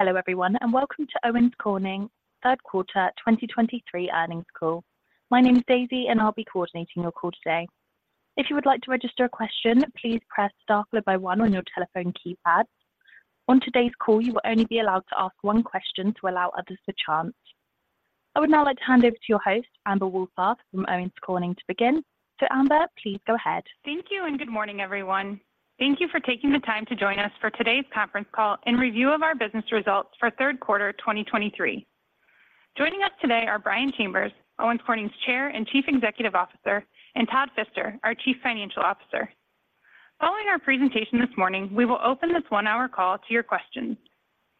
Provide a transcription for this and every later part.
Hello, everyone, and Welcome to Owens Corning Q3 2023 Earnings Call. My name is Daisy, and I'll be coordinating your call today. If you would like to register a question, please press star followed by one on your telephone keypad. On today's call, you will only be allowed to ask one question to allow others the chance. I would now like to hand over to your host, Amber Wohlfarth, from Owens Corning, to begin. So Amber, please go ahead. Thank you, and good morning, everyone. Thank you for taking the time to join us for today's conference call and review of our business results for Q3 2023. Joining us today are Brian Chambers, Owens Corning's Chair and Chief Executive Officer, and Todd Fister, our Chief Financial Officer. Following our presentation this morning, we will open this one-hour call to your questions.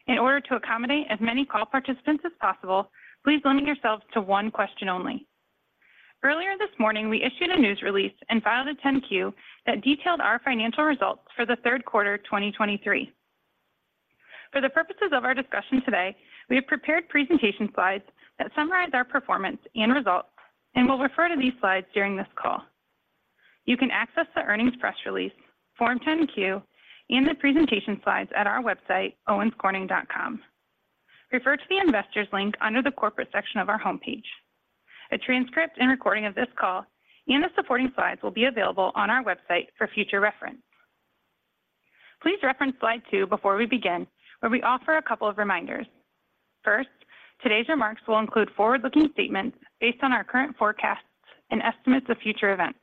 In order to accommodate as many call participants as possible, please limit yourselves to one question only. Earlier this morning, we issued a news release and filed a 10-Q that detailed our financial results for the Q3 2023. For the purposes of our discussion today, we have prepared presentation slides that summarize our performance and results, and we'll refer to these slides during this call. You can access the earnings press release, Form 10-Q, and the presentation slides at our website, owenscorning.com. Refer to the Investors link under the Corporate section of our homepage. A transcript and recording of this call and the supporting slides will be available on our website for future reference. Please reference slide two before we begin, where we offer a couple of reminders. First, today's remarks will include forward-looking statements based on our current forecasts and estimates of future events.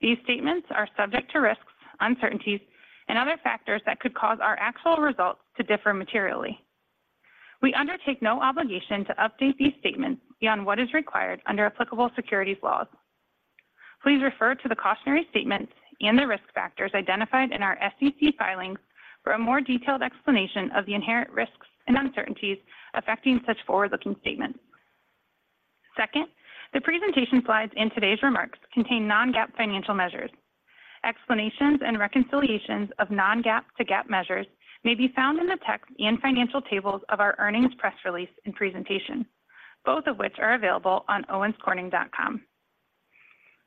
These statements are subject to risks, uncertainties, and other factors that could cause our actual results to differ materially. We undertake no obligation to update these statements beyond what is required under applicable securities laws. Please refer to the cautionary statements and the risk factors identified in our SEC filings for a more detailed explanation of the inherent risks and uncertainties affecting such forward-looking statements. Second, the presentation slides in today's remarks contain non-GAAP financial measures. Explanations and reconciliations of non-GAAP to GAAP measures may be found in the text and financial tables of our earnings press release and presentation, both of which are available on owenscorning.com.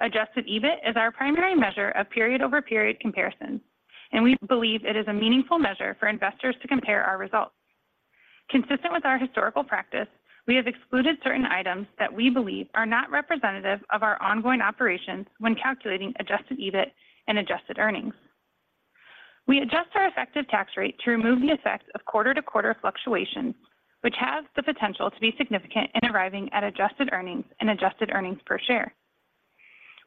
Adjusted EBIT is our primary measure of period-over-period comparisons, and we believe it is a meaningful measure for investors to compare our results. Consistent with our historical practice, we have excluded certain items that we believe are not representative of our ongoing operations when calculating Adjusted EBIT and adjusted earnings. We adjust our effective tax rate to remove the effects of quarter-to-quarter fluctuations, which has the potential to be significant in arriving at adjusted earnings and adjusted earnings per share.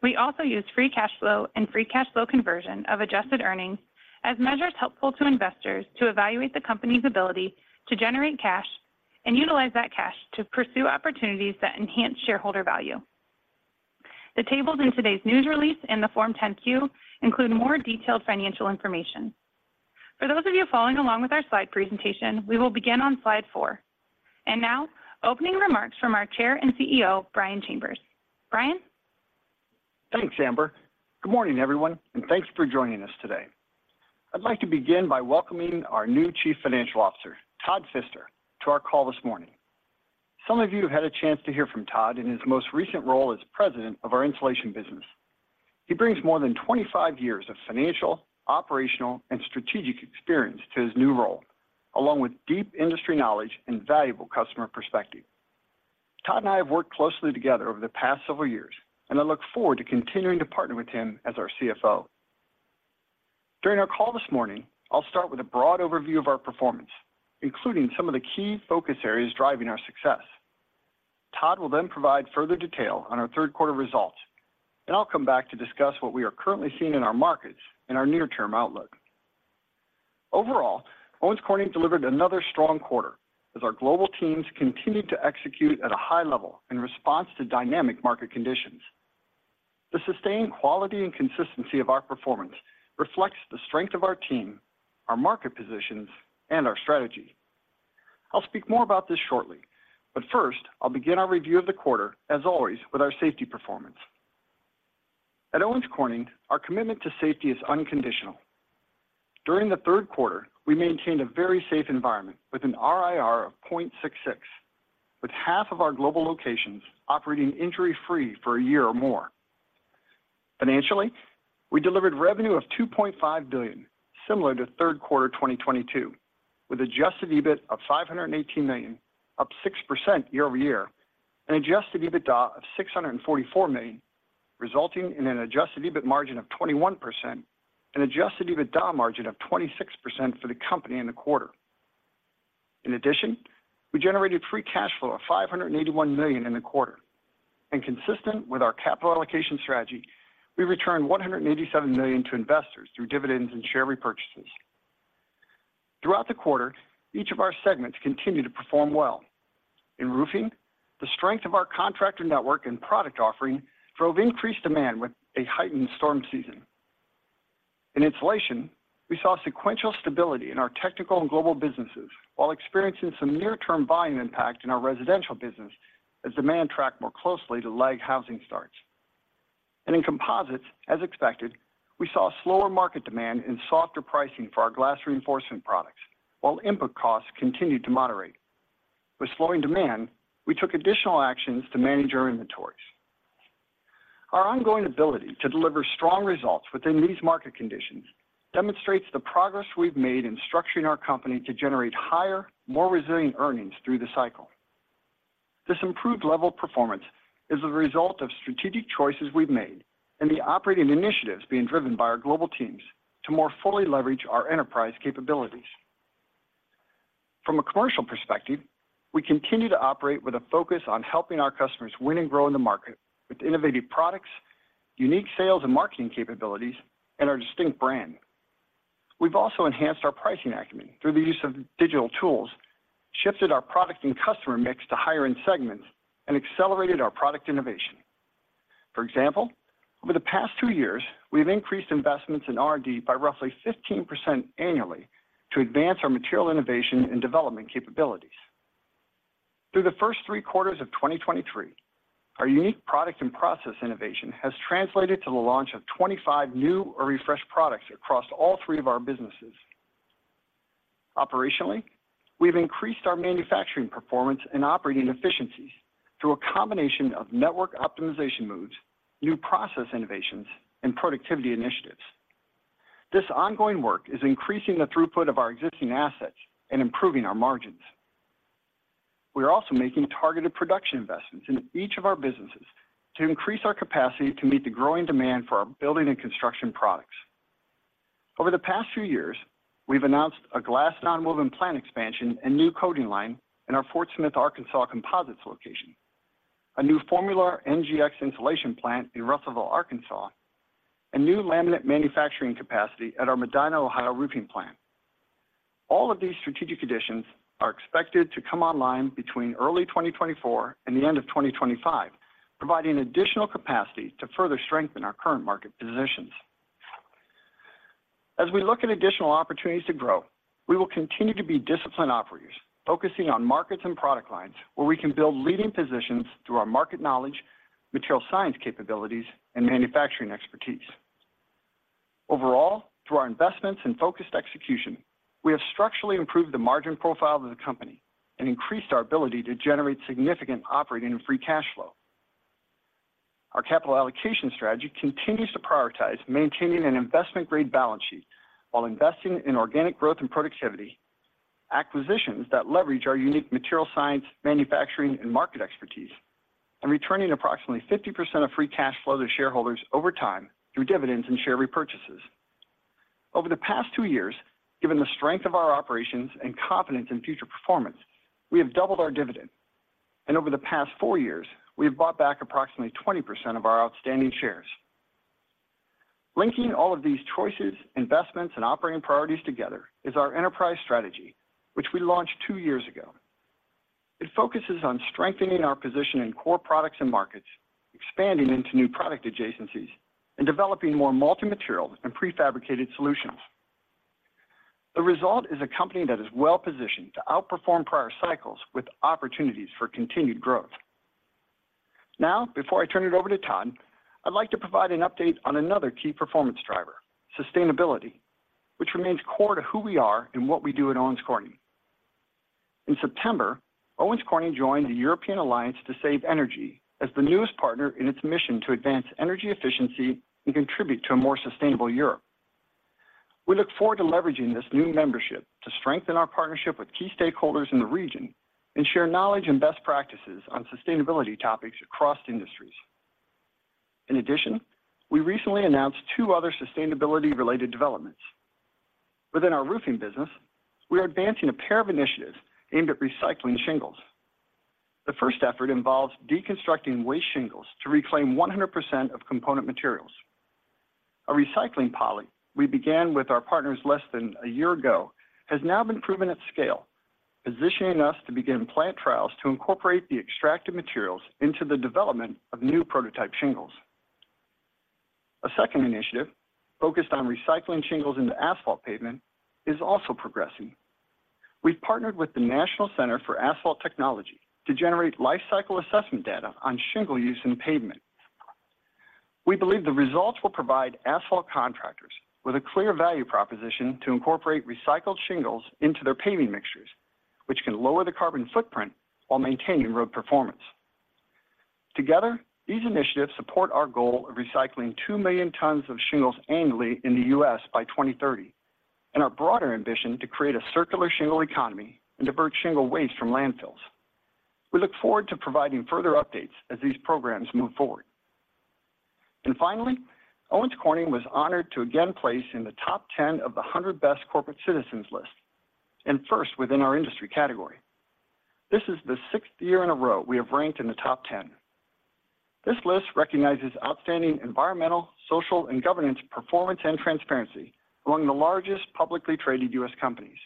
We also use Free Cash Flow and Free Cash Flow conversion of adjusted earnings as measures helpful to investors to evaluate the company's ability to generate cash and utilize that cash to pursue opportunities that enhance shareholder value. The tables in today's news release and the Form 10-Q include more detailed financial information. For those of you following along with our slide presentation, we will begin on slide four. And now, opening remarks from our Chair and CEO, Brian Chambers. Brian? Thanks, Amber. Good morning, everyone, and thanks for joining us today. I'd like to begin by welcoming our new Chief Financial Officer, Todd Fister, to our call this morning. Some of you have had a chance to hear from Todd in his most recent role as President of our Insulation business. He brings more than 25 years of financial, operational, and strategic experience to his new role, along with deep industry knowledge and valuable customer perspective. Todd and I have worked closely together over the past several years, and I look forward to continuing to partner with him as our CFO. During our call this morning, I'll start with a broad overview of our performance, including some of the key focus areas driving our success. Todd will then provide further detail on our Q3 results, and I'll come back to discuss what we are currently seeing in our markets and our near-term outlook. Overall, Owens Corning delivered another strong quarter as our global teams continued to execute at a high level in response to dynamic market conditions. The sustained quality and consistency of our performance reflects the strength of our team, our market positions, and our strategy. I'll speak more about this shortly, but first, I'll begin our review of the quarter, as always, with our safety performance. At Owens Corning, our commitment to safety is unconditional. During the Q3, we maintained a very safe environment with an RIR of 0.66, with half of our global locations operating injury-free for a year or more. Financially, we delivered revenue of $2.5 billion, similar to Q3 2022, with adjusted EBIT of $518 million, up 6% year-over-year, and adjusted EBITDA of $644 million, resulting in an adjusted EBIT margin of 21% and adjusted EBITDA margin of 26% for the company in the quarter. In addition, we generated free cash flow of $581 million in the quarter, and consistent with our capital allocation strategy, we returned $187 million to investors through dividends and share repurchases. Throughout the quarter, each of our segments continued to perform well. In Roofing, the strength of our contractor network and product offering drove increased demand with a heightened storm season. In Insulation, we saw sequential stability in our technical and global businesses while experiencing some near-term volume impact in our residential business as demand tracked more closely to lag housing starts. And in Composites, as expected, we saw slower market demand and softer pricing for our glass reinforcement products, while input costs continued to moderate. With slowing demand, we took additional actions to manage our inventories.... Our ongoing ability to deliver strong results within these market conditions demonstrates the progress we've made in structuring our company to generate higher, more resilient earnings through the cycle. This improved level of performance is a result of strategic choices we've made and the operating initiatives being driven by our global teams to more fully leverage our enterprise capabilities. From a commercial perspective, we continue to operate with a focus on helping our customers win and grow in the market with innovative products, unique sales and marketing capabilities, and our distinct brand. We've also enhanced our pricing acumen through the use of digital tools, shifted our product and customer mix to higher-end segments, and accelerated our product innovation. For example, over the past two years, we've increased investments in R&D by roughly 15% annually to advance our material innovation and development capabilities. Through the first three quarters of 2023, our unique product and process innovation has translated to the launch of 25 new or refreshed products across all three of our businesses. Operationally, we've increased our manufacturing performance and operating efficiencies through a combination of network optimization moves, new process innovations, and productivity initiatives. This ongoing work is increasing the throughput of our existing assets and improving our margins. We are also making targeted production investments in each of our businesses to increase our capacity to meet the growing demand for our building and construction products. Over the past few years, we've announced a glass nonwoven plant expansion and new coating line in our Fort Smith, Arkansas, composites location, a new FOAMULAR NGX insulation plant in Russellville, Arkansas, and new laminate manufacturing capacity at our Medina, Ohio, roofing plant. All of these strategic additions are expected to come online between early 2024 and the end of 2025, providing additional capacity to further strengthen our current market positions. As we look at additional opportunities to grow, we will continue to be disciplined operators, focusing on markets and product lines where we can build leading positions through our market knowledge, material science capabilities, and manufacturing expertise. Overall, through our investments and focused execution, we have structurally improved the margin profile of the company and increased our ability to generate significant operating and Free Cash Flow. Our capital allocation strategy continues to prioritize maintaining an investment-grade balance sheet while investing in organic growth and productivity, acquisitions that leverage our unique material science, manufacturing, and market expertise, and returning approximately 50% of Free Cash Flow to shareholders over time through dividends and share repurchases. Over the past two years, given the strength of our operations and confidence in future performance, we have doubled our dividend. Over the past four years, we have bought back approximately 20% of our outstanding shares. Linking all of these choices, investments, and operating priorities together is our enterprise strategy, which we launched two years ago. It focuses on strengthening our position in core products and markets, expanding into new product adjacencies, and developing more multi-material and prefabricated solutions. The result is a company that is well-positioned to outperform prior cycles with opportunities for continued growth. Now, before I turn it over to Todd, I'd like to provide an update on another key performance driver, sustainability, which remains core to who we are and what we do at Owens Corning. In September, Owens Corning joined the European Alliance to Save Energy as the newest partner in its mission to advance energy efficiency and contribute to a more sustainable Europe. We look forward to leveraging this new membership to strengthen our partnership with key stakeholders in the region and share knowledge and best practices on sustainability topics across industries. In addition, we recently announced two other sustainability-related developments. Within our roofing business, we are advancing a pair of initiatives aimed at recycling shingles. The first effort involves deconstructing waste shingles to reclaim 100% of component materials. A recycling pilot we began with our partners less than a year ago, has now been proven at scale, positioning us to begin plant trials to incorporate the extracted materials into the development of new prototype shingles. A second initiative, focused on recycling shingles into asphalt pavement, is also progressing. We've partnered with the National Center for Asphalt Technology to generate life cycle assessment data on shingle use in pavement. We believe the results will provide asphalt contractors with a clear value proposition to incorporate recycled shingles into their paving mixtures, which can lower the carbon footprint while maintaining road performance. Together, these initiatives support our goal of recycling 2 million tons of shingles annually in the U.S. by 2030, and our broader ambition to create a circular shingle economy and divert shingle waste from landfills. We look forward to providing further updates as these programs move forward. And finally, Owens Corning was honored to again place in the top 10 of the 100 Best Corporate Citizens list, and first within our industry category. This is the sixth year in a row we have ranked in the top 10. This list recognizes outstanding environmental, social, and governance performance and transparency among the largest publicly traded U.S. companies.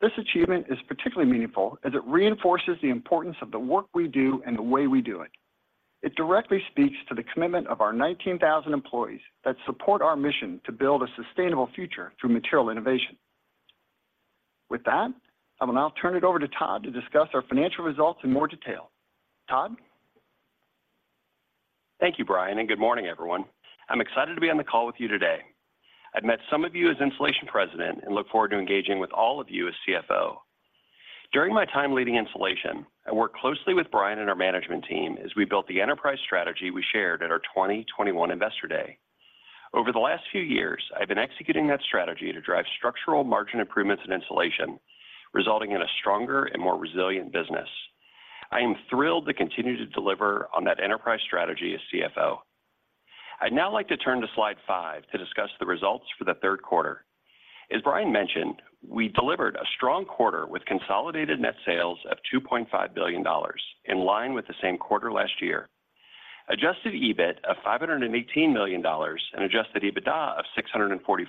This achievement is particularly meaningful as it reinforces the importance of the work we do and the way we do it. It directly speaks to the commitment of our 19,000 employees that support our mission to build a sustainable future through material innovation. With that, I will now turn it over to Todd to discuss our financial results in more detail. Todd? Thank you, Brian, and good morning, everyone. I'm excited to be on the call with you today. I've met some of you as Insulation President and look forward to engaging with all of you as CFO. During my time leading Insulation, I worked closely with Brian and our management team as we built the enterprise strategy we shared at our 2021 Investor Day. Over the last few years, I've been executing that strategy to drive structural margin improvements in Insulation, resulting in a stronger and more resilient business. I am thrilled to continue to deliver on that enterprise strategy as CFO. I'd now like to turn to slide five to discuss the results for the Q3. As Brian mentioned, we delivered a strong quarter with consolidated net sales of $2.5 billion, in line with the same quarter last year. Adjusted EBIT of $518 million and adjusted EBITDA of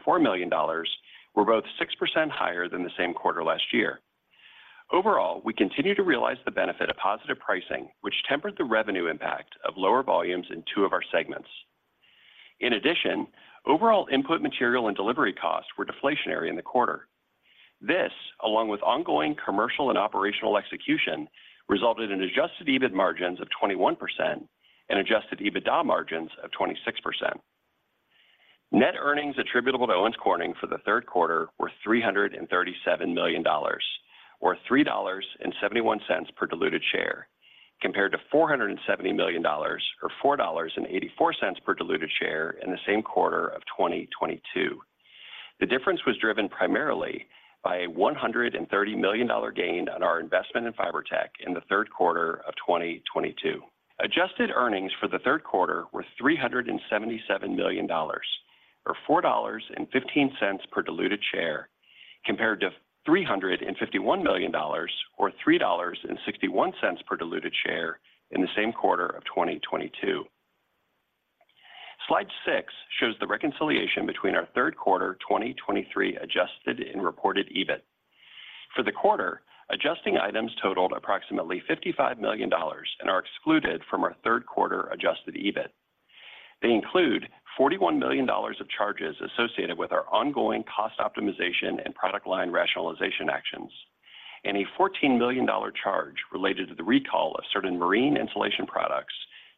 $644 million were both 6% higher than the same quarter last year. Overall, we continue to realize the benefit of positive pricing, which tempered the revenue impact of lower volumes in two of our segments. In addition, overall input material and delivery costs were deflationary in the quarter. This, along with ongoing commercial and operational execution, resulted in adjusted EBIT margins of 21% and adjusted EBITDA margins of 26%. Net earnings attributable to Owens Corning for the Q3 were $337 million, or $3.71 per diluted share, compared to $470 million, or $4.84 per diluted share in the same quarter of 2022. The difference was driven primarily by a $130 million gain on our investment in Fiberteq in the Q3 of 2022. Adjusted earnings for the Q3 were $377 million, or $4.15 per diluted share, compared to $351 million, or $3.61 per diluted share in the same quarter of 2022. Slide 6 shows the reconciliation between our Q3 2023 Adjusted and reported EBIT. For the quarter, adjusting items totaled approximately $55 million and are excluded from our Q3 Adjusted EBIT. They include $41 million of charges associated with our ongoing cost optimization and product line rationalization actions, and a $14 million charge related to the recall of certain marine insulation products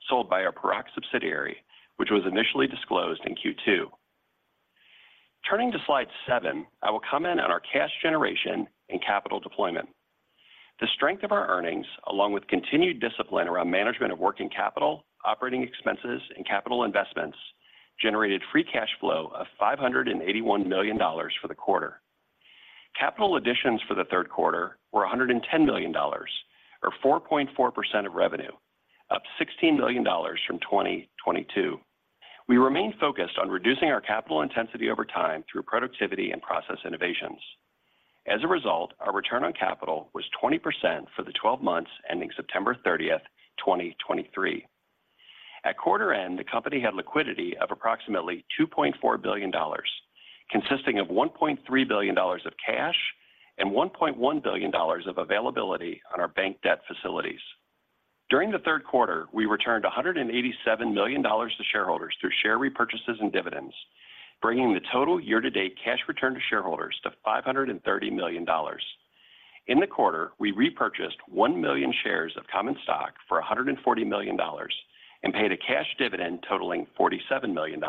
sold by our Paroc subsidiary, which was initially disclosed in Q2. Turning to slide 7, I will comment on our cash generation and capital deployment. The strength of our earnings, along with continued discipline around management of working capital, operating expenses, and capital investments, generated free cash flow of $581 million for the quarter. Capital additions for the Q3 were $110 million, or 4.4% of revenue, up $16 million from 2022. We remain focused on reducing our capital intensity over time through productivity and process innovations. As a result, our return on capital was 20% for the 12 months ending September 30, 2023. At quarter end, the company had liquidity of approximately $2.4 billion, consisting of $1.3 billion of cash and $1.1 billion of availability on our bank debt facilities. During the Q3, we returned $187 million to shareholders through share repurchases and dividends, bringing the total year-to-date cash return to shareholders to $530 million. In the quarter, we repurchased 1 million shares of common stock for $140 million and paid a cash dividend totaling $47 million.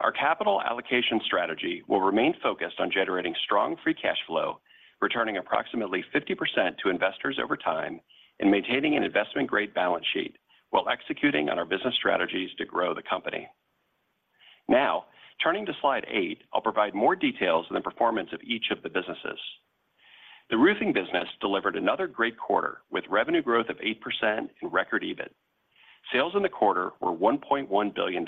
Our capital allocation strategy will remain focused on generating strong Free Cash Flow, returning approximately 50% to investors over time, and maintaining an investment-grade balance sheet while executing on our business strategies to grow the company. Now, turning to slide 8, I'll provide more details on the performance of each of the businesses. The Roofing business delivered another great quarter, with revenue growth of 8% and record EBIT. Sales in the quarter were $1.1 billion.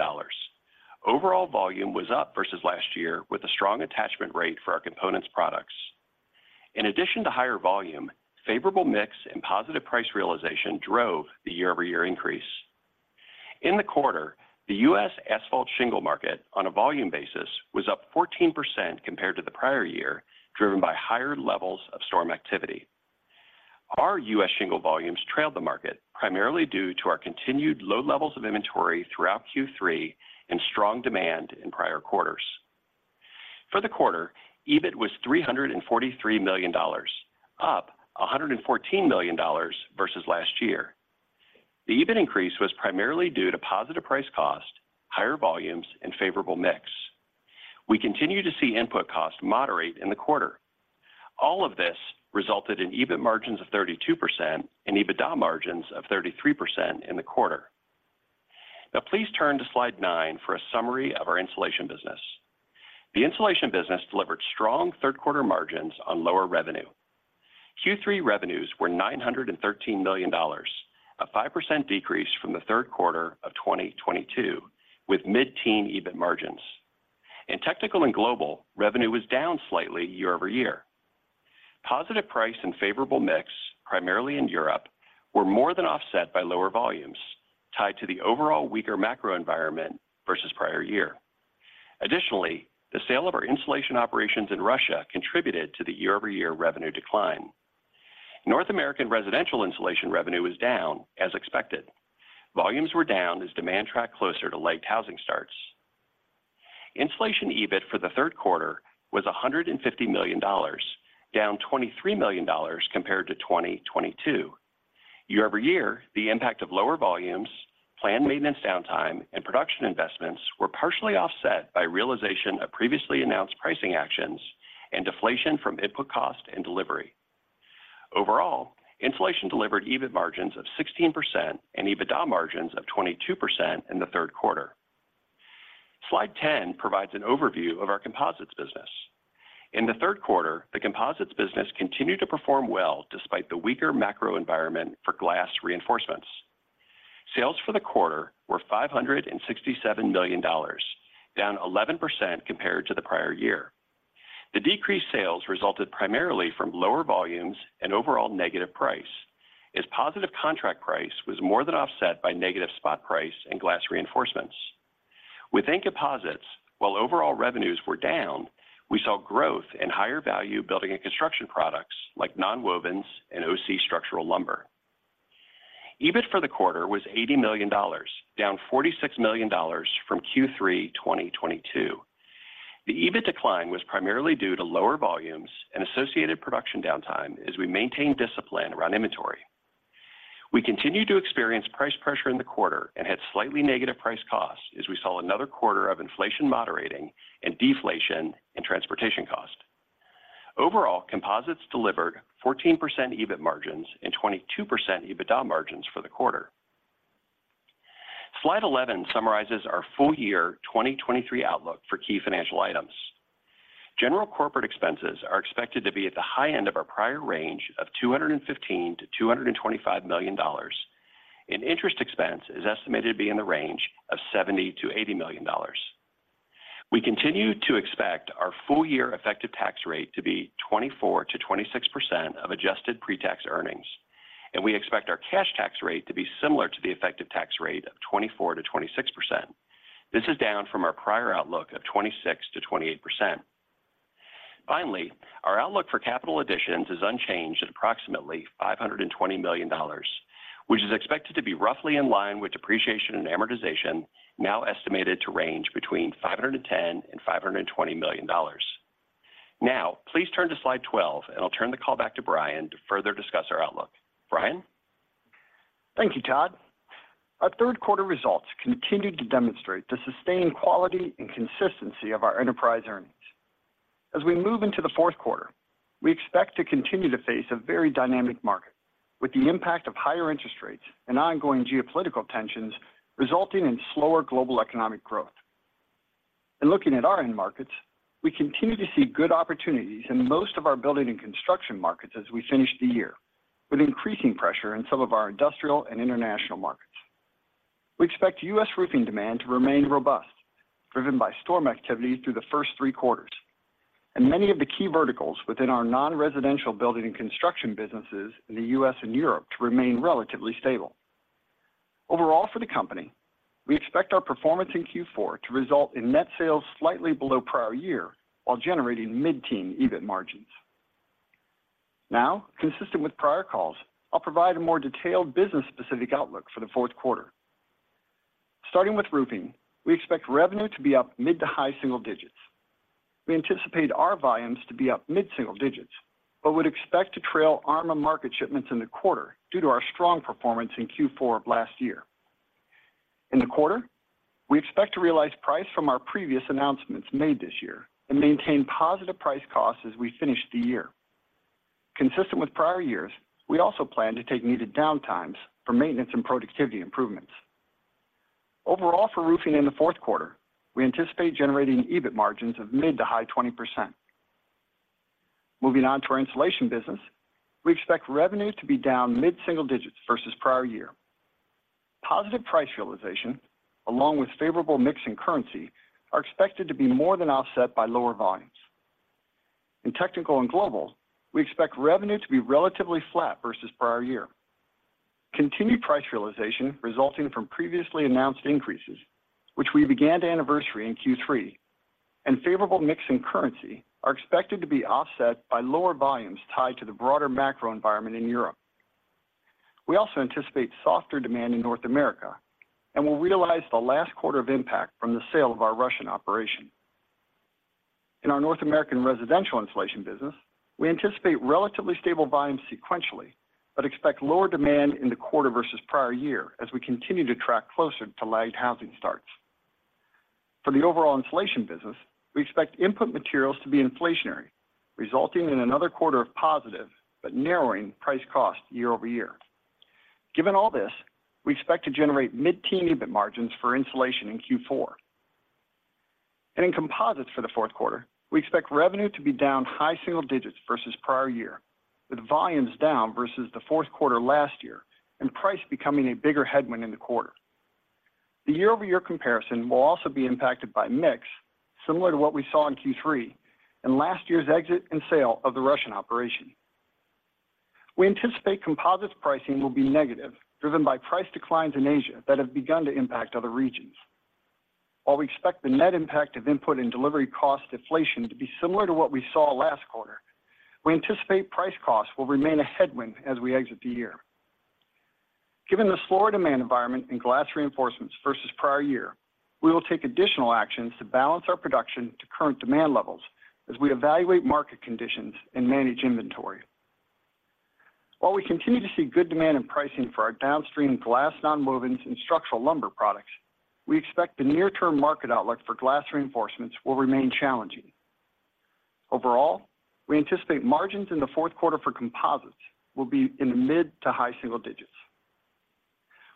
Overall volume was up versus last year, with a strong attachment rate for our components products. In addition to higher volume, favorable mix and positive price realization drove the year-over-year increase. In the quarter, the U.S. asphalt shingle market, on a volume basis, was up 14% compared to the prior year, driven by higher levels of storm activity. Our U.S. shingle volumes trailed the market, primarily due to our continued low levels of inventory throughout Q3 and strong demand in prior quarters. For the quarter, EBIT was $343 million, up $114 million versus last year. The EBIT increase was primarily due to positive price cost, higher volumes, and favorable mix. We continue to see input costs moderate in the quarter. All of this resulted in EBIT margins of 32% and EBITDA margins of 33% in the quarter. Now, please turn to slide 9 for a summary of our Insulation business. The Insulation business delivered strong Q3 margins on lower revenue. Q3 revenues were $913 million, a 5% decrease from the Q3 of 2022, with mid-teen EBIT margins. In Technical and Global, revenue was down slightly year-over-year. Positive price and favorable mix, primarily in Europe, were more than offset by lower volumes tied to the overall weaker macro environment versus prior year. Additionally, the sale of our Insulation operations in Russia contributed to the year-over-year revenue decline. North American residential Insulation revenue was down, as expected. Volumes were down as demand tracked closer to lagged housing starts. Insulation EBIT for the Q3 was $150 million, down $23 million compared to 2022. Year-over-year, the impact of lower volumes, planned maintenance downtime, and production investments were partially offset by realization of previously announced pricing actions and deflation from input cost and delivery. Overall, inflation delivered EBIT margins of 16% and EBITDA margins of 22% in the Q3. Slide 10 provides an overview of our composites business. In the Q3, the composites business continued to perform well despite the weaker macro environment for glass reinforcements. Sales for the quarter were $567 million, down 11% compared to the prior year. The decreased sales resulted primarily from lower volumes and overall negative price, as positive contract price was more than offset by negative spot price and glass reinforcements. Within composites, while overall revenues were down, we saw growth in higher value building and construction products like nonwovens and OC structural lumber. EBIT for the quarter was $80 million, down $46 million from Q3 2022. The EBIT decline was primarily due to lower volumes and associated production downtime as we maintained discipline around inventory. We continued to experience price pressure in the quarter and had slightly negative price costs as we saw another quarter of inflation moderating and deflation in transportation cost. Overall, composites delivered 14% EBIT margins and 22% EBITDA margins for the quarter. Slide 11 summarizes our full year 2023 outlook for key financial items. General corporate expenses are expected to be at the high end of our prior range of $215 to 225 million, and interest expense is estimated to be in the range of $70 to 80 million. We continue to expect our full year effective tax rate to be 24% to 26% of adjusted pre-tax earnings, and we expect our cash tax rate to be similar to the effective tax rate of 24% to 26%. This is down from our prior outlook of 26% to 28%. Finally, our outlook for capital additions is unchanged at approximately $520 million, which is expected to be roughly in line with depreciation and amortization, now estimated to range between $510 million and $520 million. Now, please turn to slide 12, and I'll turn the call back to Brian to further discuss our outlook. Brian? Thank you, Todd. Our Q3 results continued to demonstrate the sustained quality and consistency of our enterprise earnings. As we move into the Q4, we expect to continue to face a very dynamic market, with the impact of higher interest rates and ongoing geopolitical tensions resulting in slower global economic growth. In looking at our end markets, we continue to see good opportunities in most of our building and construction markets as we finish the year, with increasing pressure in some of our industrial and international markets. We expect U.S. roofing demand to remain robust, driven by storm activity through the first three quarters, and many of the key verticals within our non-residential building and construction businesses in the U.S. and Europe to remain relatively stable. Overall, for the company, we expect our performance in Q4 to result in net sales slightly below prior year, while generating mid-teen EBIT margins. Now, consistent with prior calls, I'll provide a more detailed business-specific outlook for the Q4. Starting with roofing, we expect revenue to be up mid to high single digits. We anticipate our volumes to be up mid single digits, but would expect to trail ARMA market shipments in the quarter due to our strong performance in Q4 of last year. In the quarter, we expect to realize price from our previous announcements made this year and maintain positive price costs as we finish the year. Consistent with prior years, we also plan to take needed downtimes for maintenance and productivity improvements. Overall, for roofing in the Q4, we anticipate generating EBIT margins of mid to high 20%. Moving on to our insulation business, we expect revenues to be down mid-single digits versus prior year. Positive price realization, along with favorable mix and currency, are expected to be more than offset by lower volumes. In Technical and Global, we expect revenue to be relatively flat versus prior year. Continued price realization resulting from previously announced increases, which we began to anniversary in Q3, and favorable mix and currency are expected to be offset by lower volumes tied to the broader macro environment in Europe. We also anticipate softer demand in North America and will realize the last quarter of impact from the sale of our Russian operation. In our North American residential insulation business, we anticipate relatively stable volumes sequentially, but expect lower demand in the quarter versus prior year as we continue to track closer to lagged housing starts. For the overall insulation business, we expect input materials to be inflationary, resulting in another quarter of positive but narrowing price-cost year-over-year. Given all this, we expect to generate mid-teen EBIT margins for insulation in Q4. And in composites for the Q4, we expect revenue to be down high single digits versus prior year, with volumes down versus the Q4 last year and price becoming a bigger headwind in the quarter. The year-over-year comparison will also be impacted by mix, similar to what we saw in Q3, and last year's exit and sale of the Russian operation. We anticipate composites pricing will be negative, driven by price declines in Asia that have begun to impact other regions. While we expect the net impact of input and delivery cost deflation to be similar to what we saw last quarter, we anticipate price costs will remain a headwind as we exit the year. Given the slower demand environment in glass reinforcements versus prior year, we will take additional actions to balance our production to current demand levels as we evaluate market conditions and manage inventory. While we continue to see good demand and pricing for our downstream glass nonwovens and structural lumber products, we expect the near-term market outlook for glass reinforcements will remain challenging. Overall, we anticipate margins in the Q4 for Composites will be in the mid to high single digits.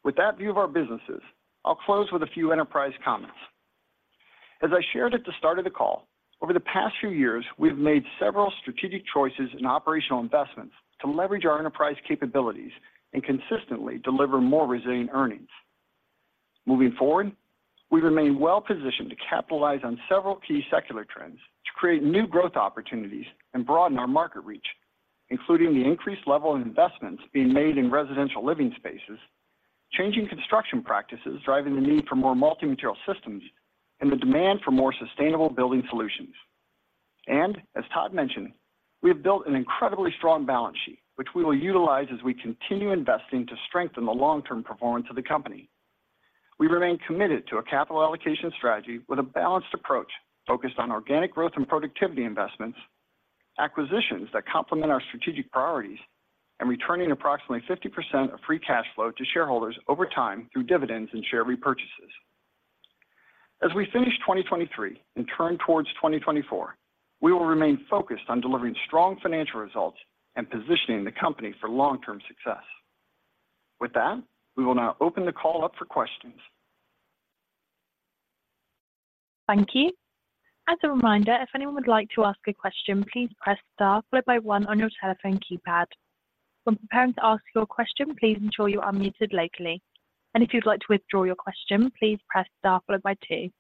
With that view of our businesses, I'll close with a few enterprise comments. As I shared at the start of the call, over the past few years, we've made several strategic choices and operational investments to leverage our enterprise capabilities and consistently deliver more resilient earnings. Moving forward, we remain well-positioned to capitalize on several key secular trends to create new growth opportunities and broaden our market reach, including the increased level of investments being made in residential living spaces, changing construction practices, driving the need for more multi-material systems, and the demand for more sustainable building solutions. As Todd mentioned, we have built an incredibly strong balance sheet, which we will utilize as we continue investing to strengthen the long-term performance of the company. We remain committed to a capital allocation strategy with a balanced approach focused on organic growth and productivity investments, acquisitions that complement our strategic priorities, and returning approximately 50% of free cash flow to shareholders over time through dividends and share repurchases. As we finish 2023 and turn towards 2024, we will remain focused on delivering strong financial results and positioning the company for long-term success. With that, we will now open the call up for questions. Thank you. As a reminder, if anyone would like to ask a question, please press star followed by one on your telephone keypad. When preparing to ask your question, please ensure you are unmuted locally. And if you'd like to withdraw your question, please press star followed by two.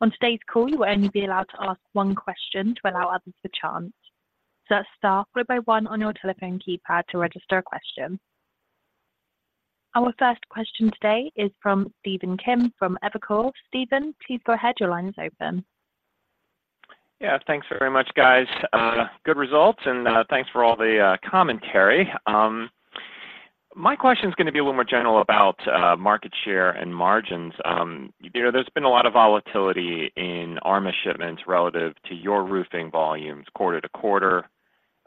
On today's call, you will only be allowed to ask one question to allow others the chance. So star followed by one on your telephone keypad to register a question. Our first question today is from Stephen Kim from Evercore. Steven, please go ahead. Your line is open. Yeah, thanks very much, guys. Good results, and thanks for all the commentary. My question is gonna be a little more general about market share and margins. You know, there's been a lot of volatility in ARMA shipments relative to your roofing volumes quarter to quarter.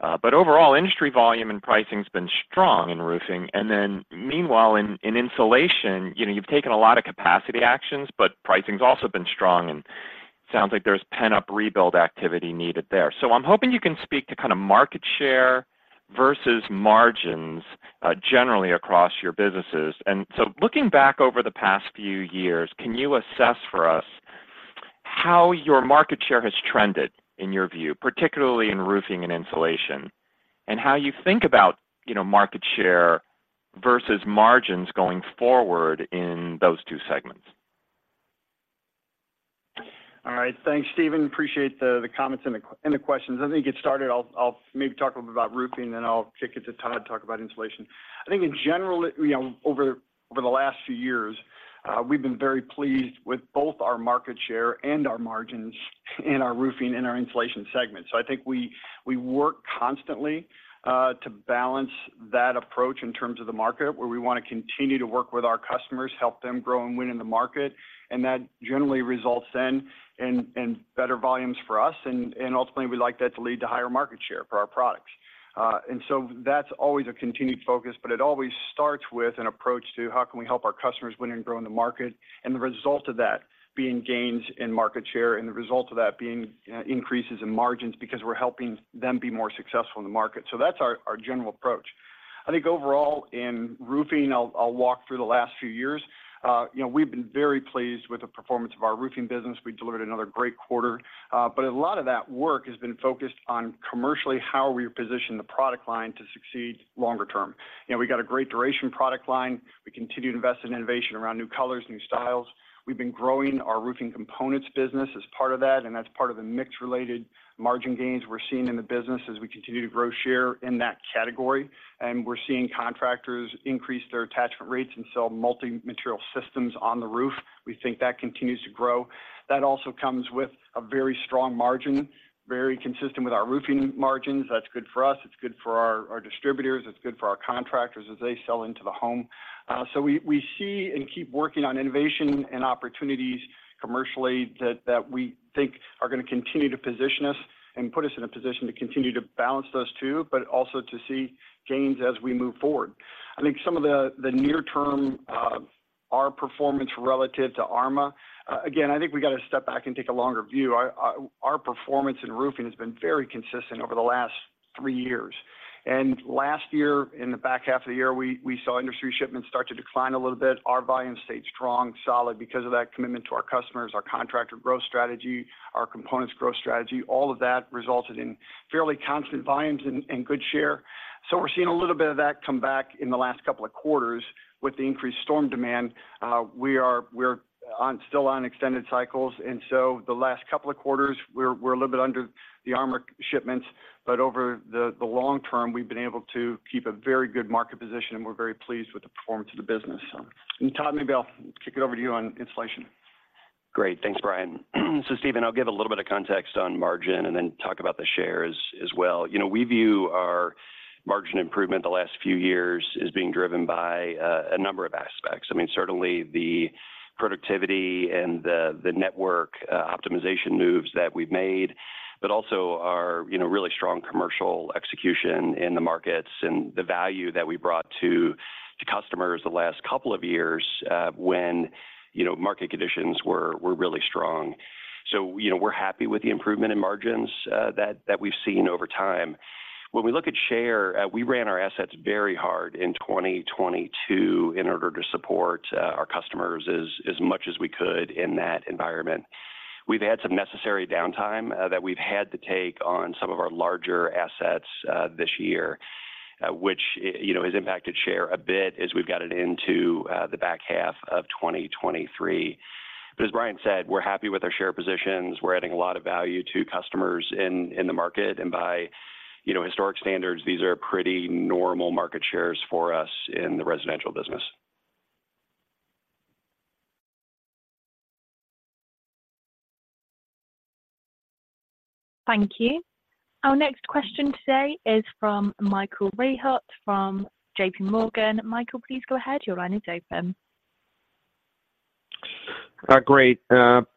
But overall, industry volume and pricing has been strong in roofing. And then meanwhile, in insulation, you know, you've taken a lot of capacity actions, but pricing has also been strong and sounds like there's pent-up rebuild activity needed there. So I'm hoping you can speak to kind of market share versus margins generally across your businesses. Looking back over the past few years, can you assess for us how your market share has trended, in your view, particularly in roofing and insulation, and how you think about, you know, market share versus margins going forward in those two segments? All right. Thanks, Steven. Appreciate the comments and the questions. Let me get started. I'll maybe talk a little bit about roofing, then I'll kick it to Todd to talk about insulation. I think in general, you know, over the last few years, we've been very pleased with both our market share and our margins in our roofing and our insulation segment. So I think we work constantly to balance that approach in terms of the market, where we wanna continue to work with our customers, help them grow and win in the market, and that generally results then in better volumes for us, and ultimately, we like that to lead to higher market share for our products. And so that's always a continued focus, but it always starts with an approach to how can we help our customers win and grow in the market, and the result of that being gains in market share, and the result of that being, increases in margins because we're helping them be more successful in the market. So that's our, our general approach. I think overall, in roofing, I'll, I'll walk through the last few years. You know, we've been very pleased with the performance of our roofing business. We delivered another great quarter, but a lot of that work has been focused on commercially, how we position the product line to succeed longer term. You know, we got a great Duration product line. We continued to invest in innovation around new colors, new styles. We've been growing our roofing components business as part of that, and that's part of the mix-related margin gains we're seeing in the business as we continue to grow share in that category. We're seeing contractors increase their attachment rates and sell multi-material systems on the roof. We think that continues to grow. That also comes with a very strong margin, very consistent with our roofing margins. That's good for us, it's good for our distributors, it's good for our contractors as they sell into the home. We see and keep working on innovation and opportunities commercially that we think are gonna continue to position us and put us in a position to continue to balance those two, but also to see gains as we move forward. I think some of the near term, our performance relative to ARMA, again, I think we got to step back and take a longer view. Our performance in roofing has been very consistent over the last three years. And last year, in the back half of the year, we saw industry shipments start to decline a little bit. Our volume stayed strong, solid, because of that commitment to our customers, our contractor growth strategy, our components growth strategy, all of that resulted in fairly constant volumes and good share. So we're seeing a little bit of that come back in the last couple of quarters with the increased storm demand. We're still on extended cycles, and so the last couple of quarters, we're a little bit under the ARMA shipments, but over the long term, we've been able to keep a very good market position, and we're very pleased with the performance of the business. So, and Todd, maybe I'll kick it over to you on insulation. Great. Thanks, Brian. So Steven, I'll give a little bit of context on margin and then talk about the shares as well. You know, we view our margin improvement the last few years as being driven by a number of aspects. I mean, certainly the productivity and the network optimization moves that we've made, but also our, you know, really strong commercial execution in the markets and the value that we brought to customers the last couple of years, when, you know, market conditions were really strong. So, you know, we're happy with the improvement in margins that we've seen over time. When we look at share, we ran our assets very hard in 2022 in order to support our customers as much as we could in that environment. We've had some necessary downtime that we've had to take on some of our larger assets this year, which, you know, has impacted share a bit as we've got it into the back half of 2023. But as Brian said, we're happy with our share positions. We're adding a lot of value to customers in the market, and by, you know, historic standards, these are pretty normal market shares for us in the residential business. Thank you. Our next question today is from Michael Rehaut, from J.P. Morgan. Michael, please go ahead. Your line is open. Great.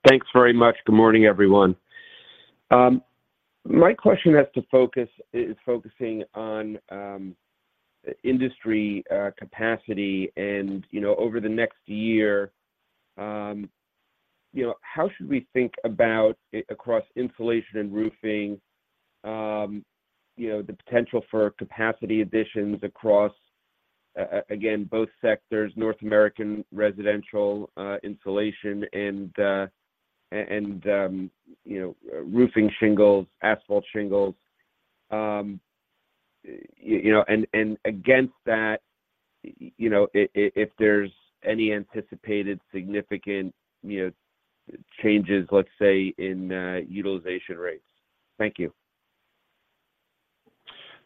Thanks very much. Good morning, everyone. My question is focusing on industry capacity and, you know, over the next year, you know, how should we think about across insulation and roofing, you know, the potential for capacity additions across again both sectors, North American residential insulation and roofing shingles, asphalt shingles? You know, and against that, you know, if there's any anticipated significant, you know, changes, let's say, in utilization rates. Thank you.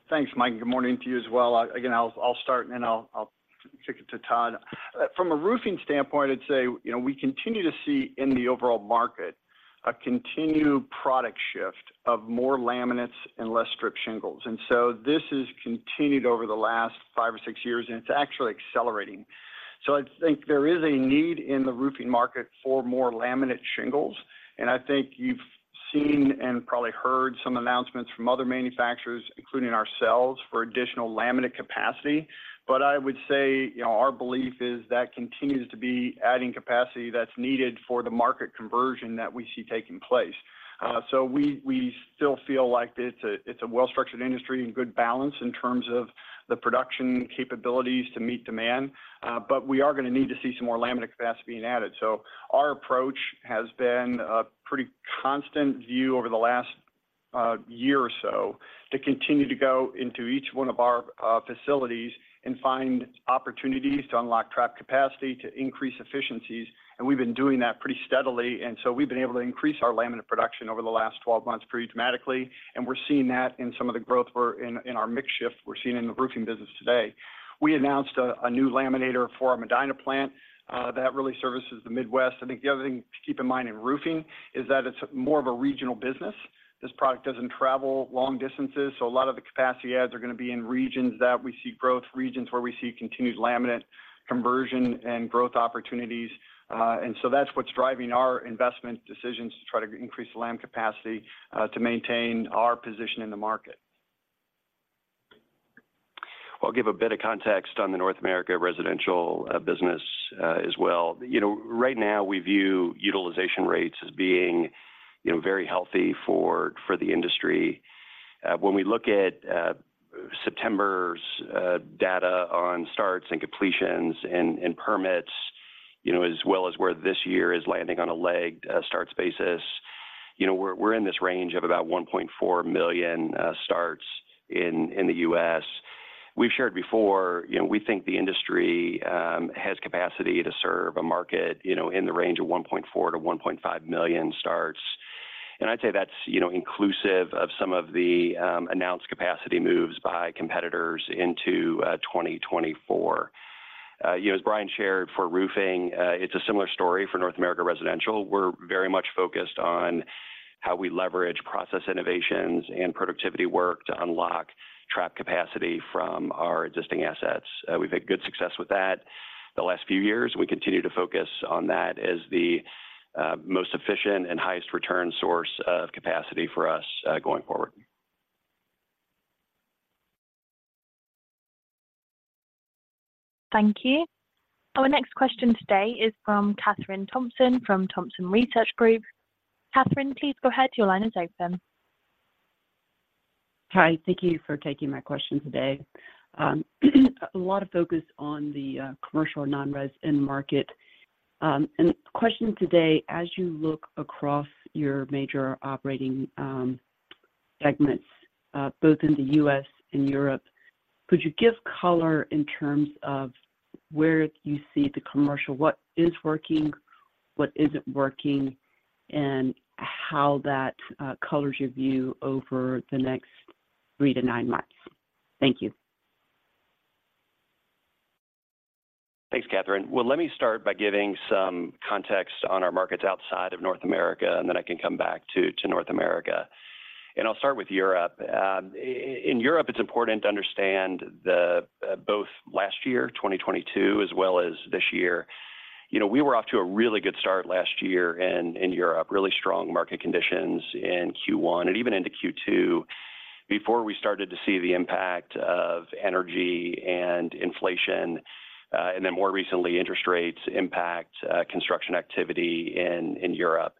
Thanks, Mike, and good morning to you as well. Again, I'll start, and then I'll kick it to Todd. From a roofing standpoint, I'd say, you know, we continue to see in the overall market a continued product shift of more laminates and less strip shingles. And so this has continued over the last five or six years, and it's actually accelerating. So I think there is a need in the roofing market for more laminate shingles, and I think you've seen and probably heard some announcements from other manufacturers, including ourselves, for additional laminate capacity. But I would say, you know, our belief is that continues to be adding capacity that's needed for the market conversion that we see taking place. So we still feel like it's a well-structured industry and good balance in terms of the production capabilities to meet demand, but we are gonna need to see some more laminate capacity being added. So our approach has been a pretty constant view over the last year or so, to continue to go into each one of our facilities and find opportunities to unlock trapped capacity, to increase efficiencies. And we've been doing that pretty steadily, and so we've been able to increase our laminate production over the last 12 months pretty dramatically. And we're seeing that in some of the growth in our mix shift we're seeing in the roofing business today. We announced a new laminator for our Medina plant that really services the Midwest. I think the other thing to keep in mind in roofing is that it's more of a regional business. This product doesn't travel long distances, so a lot of the capacity adds are gonna be in regions that we see growth, regions where we see continued laminate conversion and growth opportunities. And so that's what's driving our investment decisions to try to increase the laminate capacity, to maintain our position in the market. I'll give a bit of context on the North America residential business, as well. You know, right now, we view utilization rates as being, you know, very healthy for the industry. When we look at September's data on starts and completions and permits, you know, as well as where this year is landing on a lagged starts basis, you know, we're in this range of about 1.4 million starts in the U.S. We've shared before, you know, we think the industry has capacity to serve a market, you know, in the range of 1.4-1.5 million starts. And I'd say that's, you know, inclusive of some of the announced capacity moves by competitors into 2024. You know, as Brian shared for roofing, it's a similar story for North America residential. We're very much focused on how we leverage process innovations and productivity work to unlock trapped capacity from our existing assets. We've had good success with that the last few years. We continue to focus on that as the most efficient and highest return source of capacity for us, going forward. Thank you. Our next question today is from Kathryn Thompson, from Thompson Research Group. Catherine, please go ahead. Your line is open. Hi, thank you for taking my question today. A lot of focus on the commercial and non-res end market. And the question today, as you look across your major operating segments, both in the U.S. and Europe, could you give color in terms of where you see the commercial? What is working, what isn't working, and how that colors your view over the next three to nine months? Thank you. Thanks, Catherine. Well, let me start by giving some context on our markets outside of North America, and then I can come back to North America. And I'll start with Europe. In Europe, it's important to understand both last year, 2022, as well as this year. You know, we were off to a really good start last year in Europe, really strong market conditions in Q1 and even into Q2, before we started to see the impact of energy and inflation, and then more recently, interest rates impact construction activity in Europe.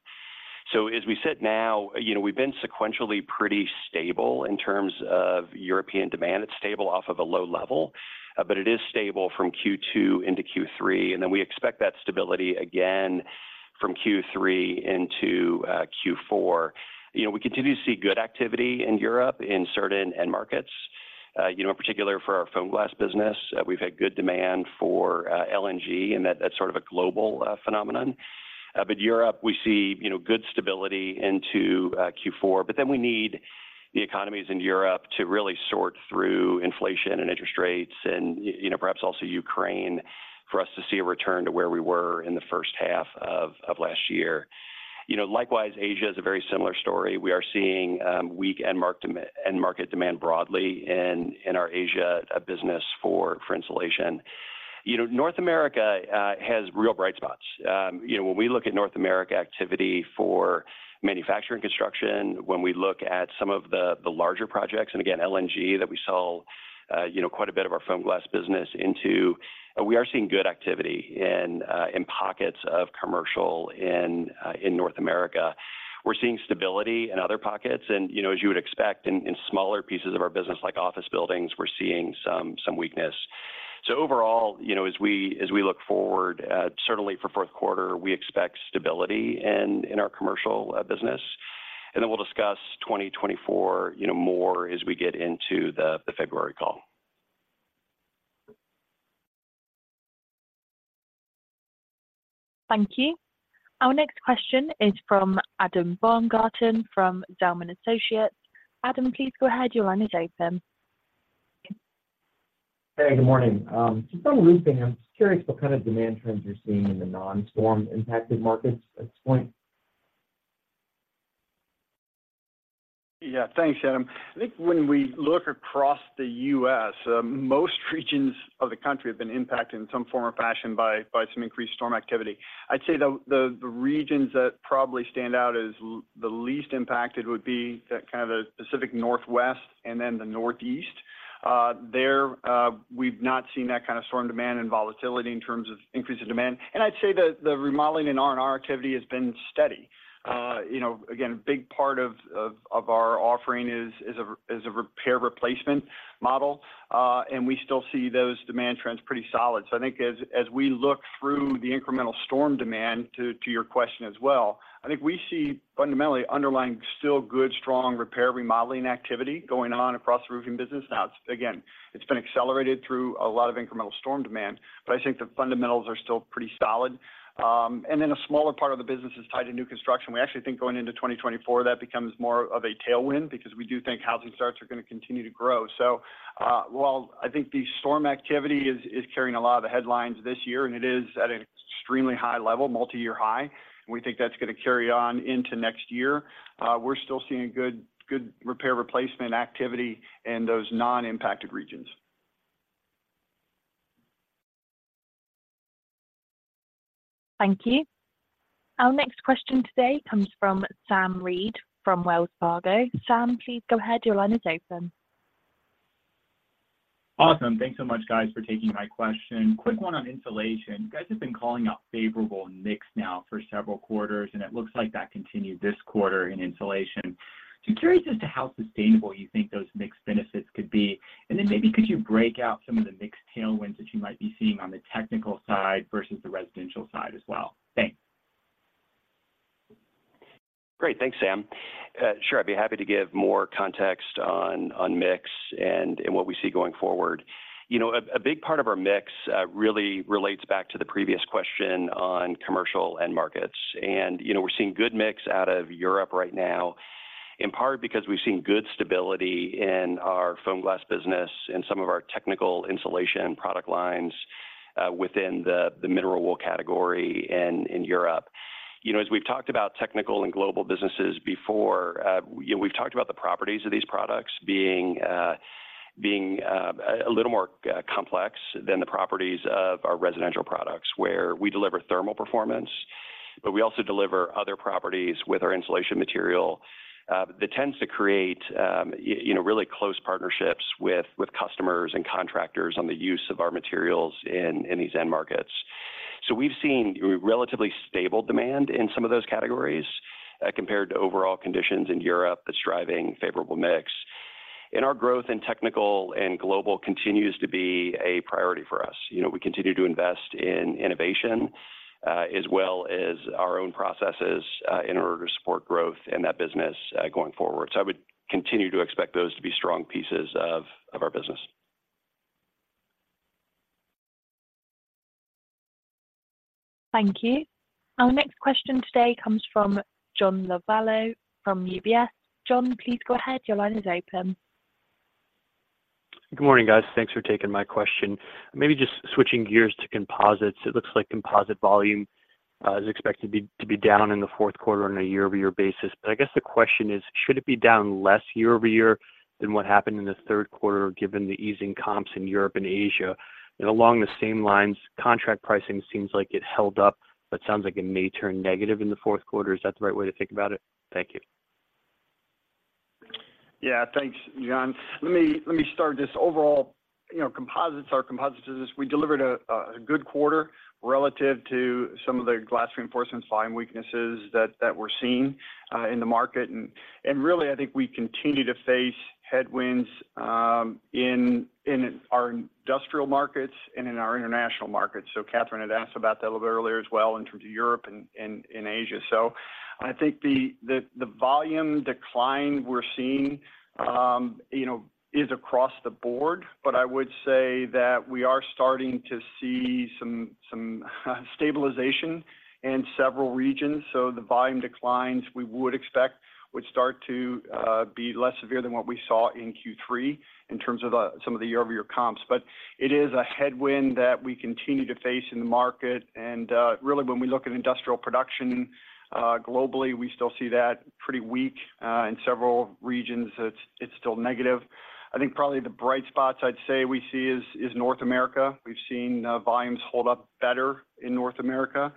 So as we sit now, you know, we've been sequentially pretty stable in terms of European demand. It's stable off of a low level, but it is stable from Q2 into Q3, and then we expect that stability again from Q3 into Q4. You know, we continue to see good activity in Europe, in certain end markets. You know, in particular for our FOAMGLAS business, we've had good demand for LNG, and that's sort of a global phenomenon. But Europe, we see, you know, good stability into Q4, but then we need the economies in Europe to really sort through inflation and interest rates and you know, perhaps also Ukraine, for us to see a return to where we were in the first half of last year. You know, likewise, Asia is a very similar story. We are seeing weak end market demand broadly in our Asia business for insulation. You know, North America has real bright spots. You know, when we look at North America activity for manufacturing construction, when we look at some of the larger projects, and again, LNG, that we sell quite a bit of our FOAMGLAS business into, we are seeing good activity in pockets of commercial in North America. We're seeing stability in other pockets, and, you know, as you would expect, in smaller pieces of our business, like office buildings, we're seeing some weakness. So overall, you know, as we look forward, certainly for Q4, we expect stability in our commercial business. Then we'll discuss 2024, you know, more as we get into the February call. Thank you. Our next question is from Adam Baumgarten, from Zelman Associates. Adam, please go ahead. Your line is open. Hey, good morning. Just on roofing, I'm just curious what kind of demand trends you're seeing in the non-storm impacted markets at this point? Yeah, thanks, Adam. I think when we look across the U.S., most regions of the country have been impacted in some form or fashion by some increased storm activity. I'd say the regions that probably stand out as the least impacted would be the kind of the Pacific Northwest and then the Northeast. There, we've not seen that kind of storm demand and volatility in terms of increase in demand. And I'd say the remodeling and R&R activity has been steady. You know, again, a big part of our offering is a repair replacement model, and we still see those demand trends pretty solid. So I think as we look through the incremental storm demand, to your question as well, I think we see fundamentally underlying still good, strong repair, remodeling activity going on across the roofing business. Now, it's again been accelerated through a lot of incremental storm demand, but I think the fundamentals are still pretty solid. And then a smaller part of the business is tied to new construction. We actually think going into 2024, that becomes more of a tailwind because we do think housing starts are going to continue to grow. So, while I think the storm activity is carrying a lot of the headlines this year, and it is at an extremely high level, multi-year high, and we think that's going to carry on into next year, we're still seeing good, good repair replacement activity in those non-impacted regions. Thank you. Our next question today comes from Sam Reid, from Wells Fargo. Sam, please go ahead. Your line is open. Awesome. Thanks so much, guys, for taking my question. Quick one on insulation. You guys have been calling out favorable mix now for several quarters, and it looks like that continued this quarter in insulation. So curious as to how sustainable you think those mix benefits could be, and then maybe could you break out some of the mix tailwinds that you might be seeing on the technical side versus the residential side as well? Thanks. Great. Thanks, Sam. Sure, I'd be happy to give more context on mix and what we see going forward. You know, a big part of our mix really relates back to the previous question on commercial end markets. You know, we're seeing good mix out of Europe right now, in part because we've seen good stability in our FOAMGLAS business and some of our technical insulation product lines, within the mineral wool category in Europe. You know, as we've talked about technical and global businesses before, you know, we've talked about the properties of these products being a little more complex than the properties of our residential products, where we deliver thermal performance, but we also deliver other properties with our insulation material. That tends to create, you know, really close partnerships with customers and contractors on the use of our materials in these end markets. So we've seen relatively stable demand in some of those categories, compared to overall conditions in Europe that's driving favorable mix. And our growth in technical and global continues to be a priority for us. You know, we continue to invest in innovation, as well as our own processes, in order to support growth in that business, going forward. So I would continue to expect those to be strong pieces of our business. Thank you. Our next question today comes from John Lovallo from UBS. John, please go ahead. Your line is open. Good morning, guys. Thanks for taking my question. Maybe just switching gears to composites. It looks like composite volume is expected to be down in the Q4 on a year-over-year basis. But I guess the question is, should it be down less year over year than what happened in the Q3, given the easing comps in Europe and Asia? And along the same lines, contract pricing seems like it held up, but sounds like it may turn negative in the Q4. Is that the right way to think about it? Thank you. Yeah, thanks, John. Let me start this. Overall, you know, Composites, our Composites business, we delivered a good quarter relative to some of the glass reinforcements volume weaknesses that we're seeing in the market. And really, I think we continue to face headwinds in our industrial markets and in our international markets. So Catherine had asked about that a little bit earlier as well in terms of Europe and in Asia. So I think the volume decline we're seeing, you know, is across the board, but I would say that we are starting to see some stabilization in several regions. So the volume declines we would expect would start to be less severe than what we saw in Q3, in terms of some of the year-over-year comps. But it is a headwind that we continue to face in the market. And, really, when we look at industrial production, globally, we still see that pretty weak. In several regions, it's still negative. I think probably the bright spots I'd say we see is North America. We've seen volumes hold up better in North America.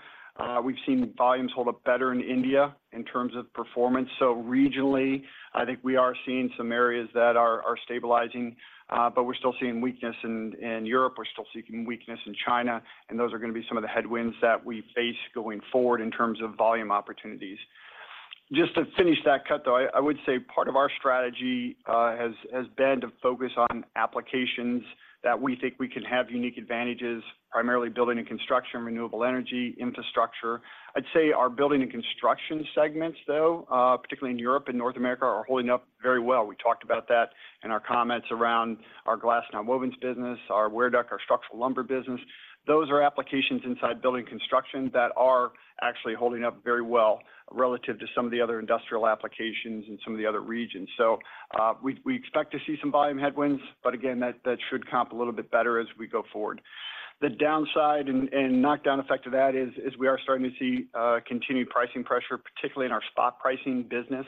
We've seen volumes hold up better in India in terms of performance. So regionally, I think we are seeing some areas that are stabilizing, but we're still seeing weakness in Europe, we're still seeing weakness in China, and those are gonna be some of the headwinds that we face going forward in terms of volume opportunities. Just to finish that cut, though, I would say part of our strategy has been to focus on applications that we think we can have unique advantages, primarily building and construction, renewable energy, infrastructure. I'd say our building and construction segments, though, particularly in Europe and North America, are holding up very well. We talked about that in our comments around our glass nonwovens business, our WearDeck, our structural lumber business. Those are applications inside building construction that are actually holding up very well relative to some of the other industrial applications in some of the other regions. So, we expect to see some volume headwinds, but again, that should comp a little bit better as we go forward. The downside and knock-down effect of that is we are starting to see continued pricing pressure, particularly in our spot pricing business.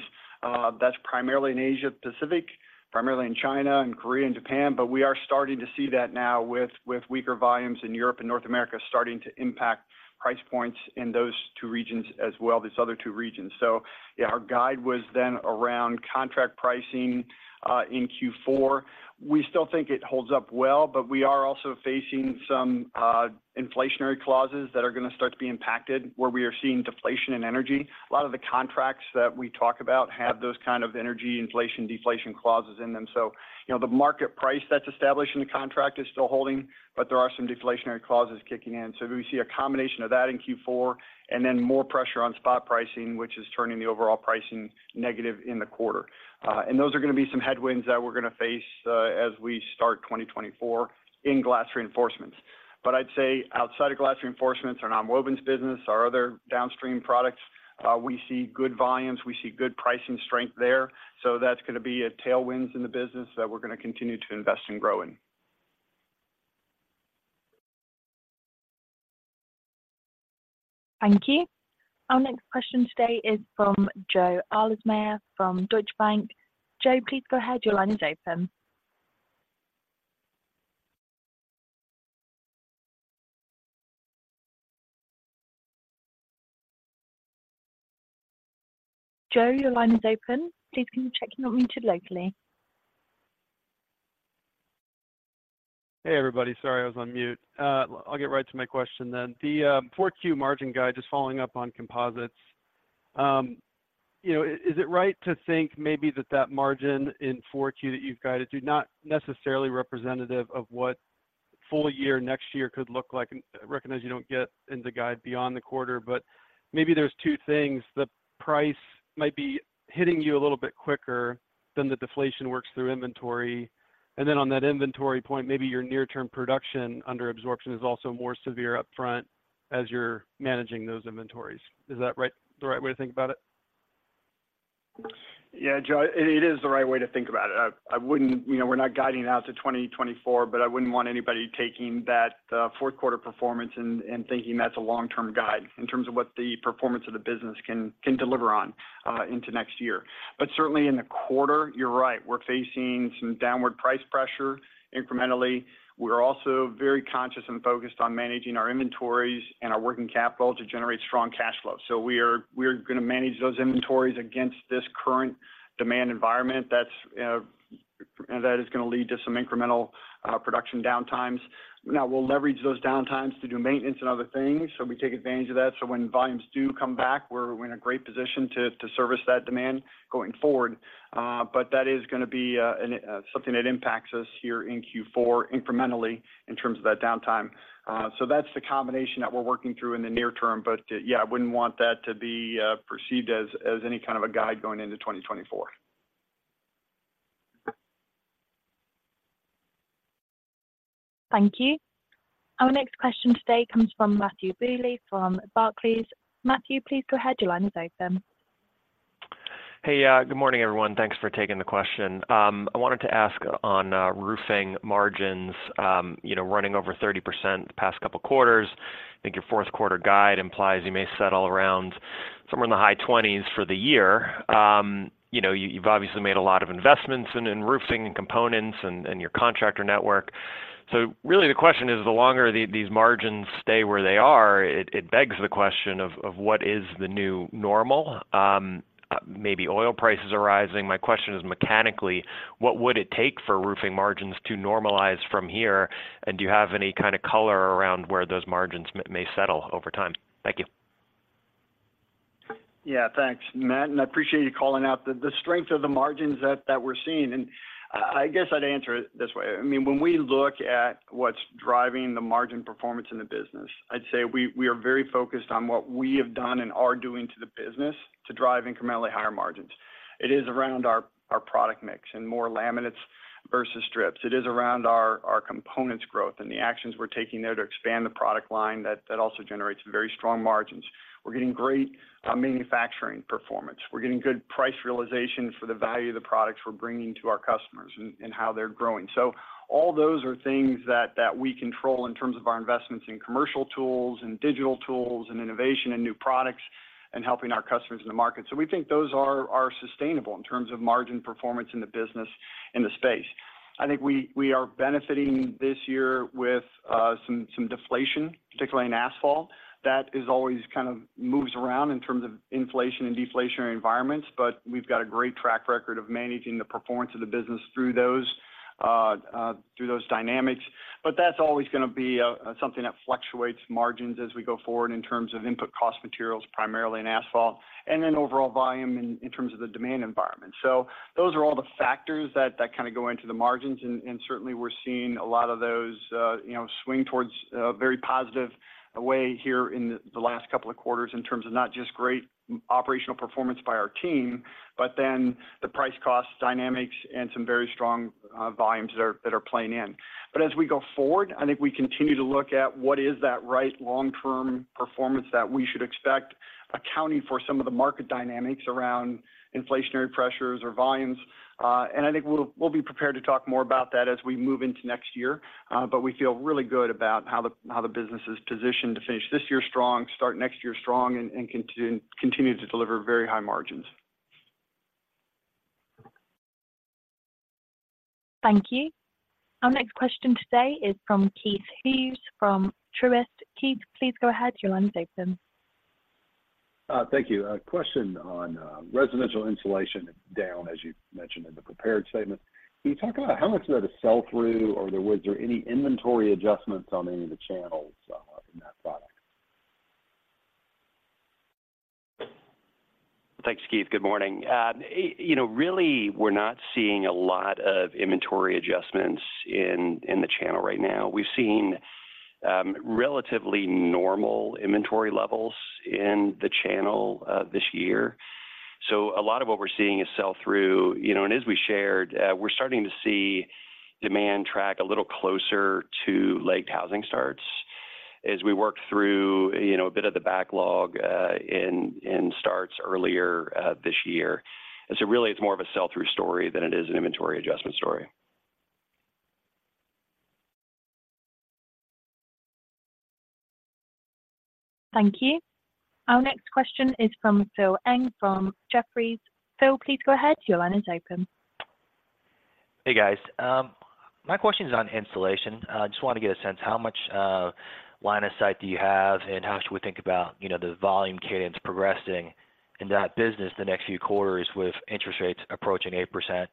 That's primarily in Asia Pacific, primarily in China and Korea and Japan, but we are starting to see that now with weaker volumes in Europe and North America, starting to impact price points in those two regions as well, these other two regions. So yeah, our guide was then around contract pricing in Q4. We still think it holds up well, but we are also facing some inflationary clauses that are gonna start to be impacted, where we are seeing deflation in energy. A lot of the contracts that we talk about have those kind of energy inflation/deflation clauses in them. So, you know, the market price that's established in the contract is still holding, but there are some deflationary clauses kicking in. So we see a combination of that in Q4, and then more pressure on spot pricing, which is turning the overall pricing negative in the quarter. And those are gonna be some headwinds that we're gonna face as we start 2024 in glass reinforcements. But I'd say outside of glass reinforcements, our nonwovens business, our other downstream products, we see good volumes, we see good pricing strength there. So that's gonna be a tailwinds in the business that we're gonna continue to invest in growing. Thank you. Our next question today is from Joe Ahlersmeyer from Deutsche Bank. Joe, please go ahead. Your line is open. Joe, your line is open. Please, can you check you're unmuted locally? Hey, everybody. Sorry, I was on mute. I'll get right to my question then. The 4Q margin guide, just following up on composites. You know, is it right to think maybe that that margin in 4Q that you've guided to, not necessarily representative of what full year next year could look like? And I recognize you don't get into guide beyond the quarter, but maybe there's two things. The price might be hitting you a little bit quicker than the deflation works through inventory. And then on that inventory point, maybe your near-term production under absorption is also more severe upfront as you're managing those inventories. Is that the right way to think about it? Yeah, Joe, it is the right way to think about it. I wouldn't... You know, we're not guiding out to 2024, but I wouldn't want anybody taking that Q4 performance and thinking that's a long-term guide in terms of what the performance of the business can deliver on into next year. But certainly in the quarter, you're right, we're facing some downward price pressure incrementally. We're also very conscious and focused on managing our inventories and our working capital to generate strong cash flow. So we are gonna manage those inventories against this current demand environment. That's, and that is gonna lead to some incremental production downtimes. Now, we'll leverage those downtimes to do maintenance and other things, so we take advantage of that. So when volumes do come back, we're in a great position to service that demand going forward. But that is gonna be an something that impacts us here in Q4 incrementally in terms of that downtime. So that's the combination that we're working through in the near term. But yeah, I wouldn't want that to be perceived as any kind of a guide going into 2024. Thank you. Our next question today comes from Matthew Bouley from Barclays. Matthew, please go ahead. Your line is open. Hey, good morning, everyone. Thanks for taking the question. I wanted to ask on roofing margins, you know, running over 30% the past couple quarters. I think your Q4 guide implies you may settle around somewhere in the high 20s for the year. You know, you've obviously made a lot of investments in roofing and components and your contractor network. So really the question is: the longer these margins stay where they are, it begs the question of what is the new normal? Maybe oil prices are rising. My question is, mechanically, what would it take for roofing margins to normalize from here? And do you have any kind of color around where those margins may settle over time? Thank you. Yeah, thanks, Matt, and I appreciate you calling out the strength of the margins that we're seeing. I guess I'd answer it this way. I mean, when we look at what's driving the margin performance in the business, I'd say we are very focused on what we have done and are doing to the business to drive incrementally higher margins. It is around our product mix and more laminates versus strips. It is around our components growth and the actions we're taking there to expand the product line that also generates very strong margins. We're getting great manufacturing performance. We're getting good price realization for the value of the products we're bringing to our customers and how they're growing. So all those are things that we control in terms of our investments in commercial tools and digital tools and innovation and new products, and helping our customers in the market. So we think those are sustainable in terms of margin performance in the business, in the space. I think we are benefiting this year with some deflation, particularly in asphalt. That is always kind of moves around in terms of inflation and deflationary environments, but we've got a great track record of managing the performance of the business through those dynamics. But that's always gonna be something that fluctuates margins as we go forward in terms of input cost materials, primarily in asphalt, and then overall volume in terms of the demand environment. So those are all the factors that kinda go into the margins, and certainly, we're seeing a lot of those, you know, swing towards a very positive way here in the last couple of quarters in terms of not just great operational performance by our team, but then the price cost dynamics and some very strong volumes that are playing in. But as we go forward, I think we continue to look at what is that right long-term performance that we should expect, accounting for some of the market dynamics around inflationary pressures or volumes. And I think we'll be prepared to talk more about that as we move into next year. But we feel really good about how the business is positioned to finish this year strong, start next year strong, and continue to deliver very high margins. Thank you. Our next question today is from Keith Hughes from Truist. Keith, please go ahead. Your line's open. Thank you. A question on residential insulation down, as you mentioned in the prepared statement. Can you talk about how much of that is sell-through, or was there any inventory adjustments on any of the channels, in that product? Thanks, Keith. Good morning. You know, really, we're not seeing a lot of inventory adjustments in the channel right now. We've seen relatively normal inventory levels in the channel this year. So a lot of what we're seeing is sell-through. You know, and as we shared, we're starting to see demand track a little closer to lagged housing starts as we work through you know, a bit of the backlog in starts earlier this year. And so really, it's more of a sell-through story than it is an inventory adjustment story. Thank you. Our next question is from Phil Ng, from Jefferies. Phil, please go ahead. Your line is open. Hey, guys. My question is on installation. Just want to get a sense how much line of sight do you have, and how should we think about, you know, the volume cadence progressing in that business the next few quarters with interest rates approaching 8%?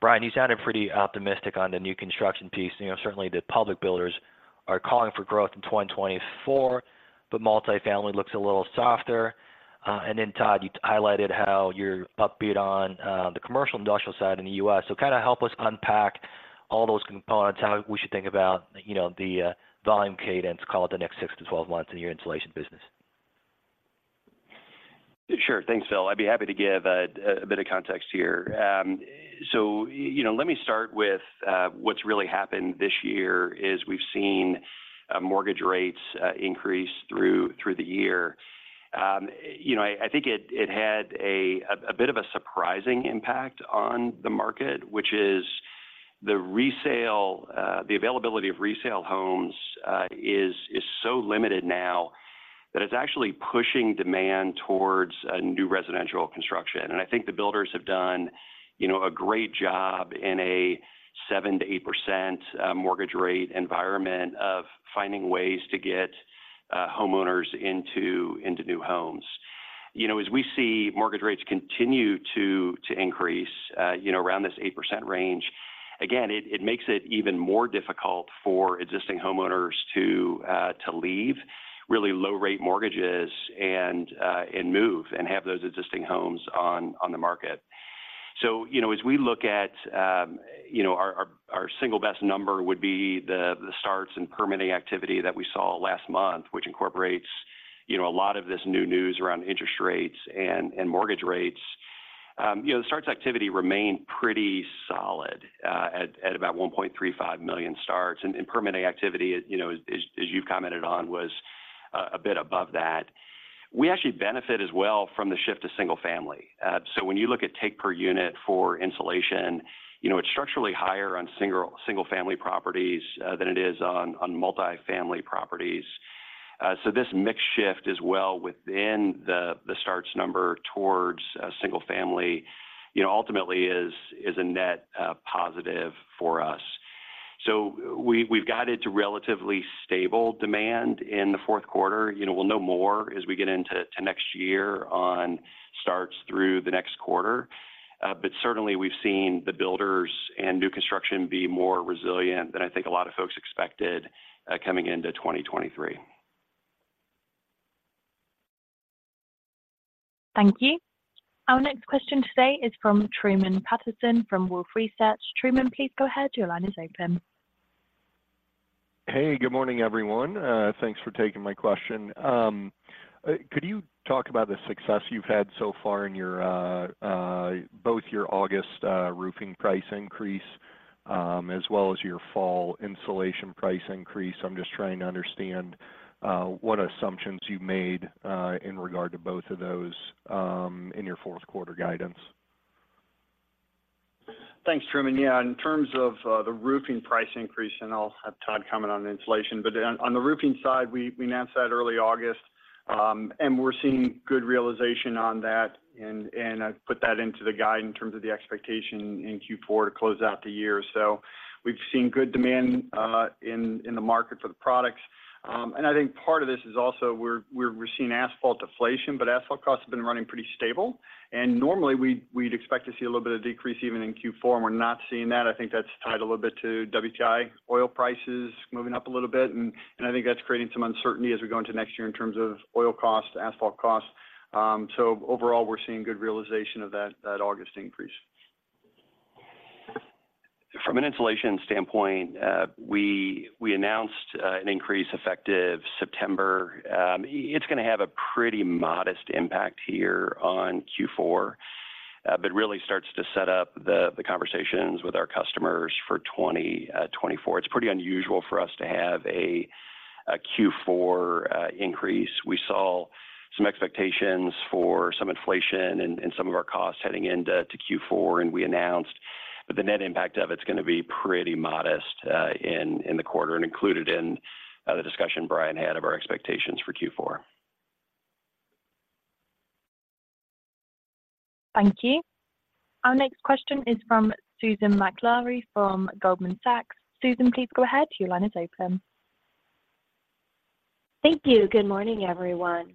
Brian, you sounded pretty optimistic on the new construction piece. You know, certainly the public builders are calling for growth in 2024, but multifamily looks a little softer. And then, Todd, you highlighted how you're upbeat on the commercial industrial side in the U.S. So kinda help us unpack all those components, how we should think about, you know, the volume cadence, call it the next six to 12 months in your installation business. Sure. Thanks, Phil. I'd be happy to give a bit of context here. So, you know, let me start with what's really happened this year is we've seen mortgage rates increase through the year. You know, I think it had a bit of a surprising impact on the market, which is the resale, the availability of resale homes is so limited now that it's actually pushing demand towards a new residential construction. And I think the builders have done, you know, a great job in a 7% to 8% mortgage rate environment of finding ways to get homeowners into new homes. You know, as we see mortgage rates continue to increase, you know, around this 8% range, again, it makes it even more difficult for existing homeowners to leave really low rate mortgages and move and have those existing homes on the market. So, you know, as we look at you know, our single best number would be the starts and permitting activity that we saw last month, which incorporates you know, a lot of this new news around interest rates and mortgage rates. You know, the starts activity remained pretty solid at about 1.35 million starts. And permitting activity, as you know, as you've commented on, was a bit above that. We actually benefit as well from the shift to single family. So when you look at take per unit for insulation, you know, it's structurally higher on single, single-family properties, than it is on, on multifamily properties. So this mix shift as well within the, the starts number towards, single-family, you know, ultimately is, is a net, positive for us. So we, we've got it to relatively stable demand in the Q4. You know, we'll know more as we get into, to next year on starts through the next quarter. But certainly we've seen the builders and new construction be more resilient than I think a lot of folks expected, coming into 2023. Thank you. Our next question today is from Truman Patterson from Wolfe Research. Truman, please go ahead. Your line is open. Hey, good morning, everyone. Thanks for taking my question. Could you talk about the success you've had so far in your both your August roofing price increase as well as your fall insulation price increase? I'm just trying to understand what assumptions you made in regard to both of those in your Q4 guidance. Thanks, Truman. Yeah, in terms of the roofing price increase, and I'll have Todd comment on insulation. But then on the roofing side, we announced that early August, and we're seeing good realization on that. And I've put that into the guide in terms of the expectation in Q4 to close out the year. So we've seen good demand in the market for the products. And I think part of this is also we're seeing asphalt deflation, but asphalt costs have been running pretty stable. And normally we'd expect to see a little bit of decrease even in Q4, and we're not seeing that. I think that's tied a little bit to WTI oil prices moving up a little bit, and I think that's creating some uncertainty as we go into next year in terms of oil costs, asphalt costs. So overall, we're seeing good realization of that August increase. From an insulation standpoint, we announced an increase effective September. It's gonna have a pretty modest impact here on Q4, but really starts to set up the conversations with our customers for 2024. It's pretty unusual for us to have a Q4 increase. We saw some expectations for some inflation and some of our costs heading into Q4, and we announced, but the net impact of it's gonna be pretty modest in the quarter and included in the discussion Brian had of our expectations for Q4. Thank you. Our next question is from Susan Maklari from Goldman Sachs. Susan, please go ahead. Your line is open. Thank you. Good morning, everyone.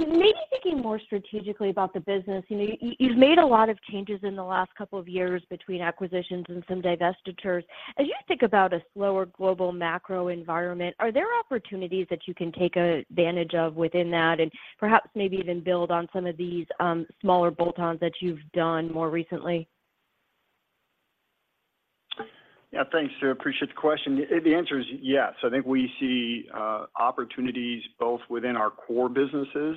Maybe thinking more strategically about the business, you know, you've made a lot of changes in the last couple of years between acquisitions and some divestitures. As you think about a slower global macro environment, are there opportunities that you can take advantage of within that, and perhaps maybe even build on some of these, smaller bolt-ons that you've done more recently? Yeah, thanks, Sue. Appreciate the question. The answer is yes. I think we see opportunities both within our core businesses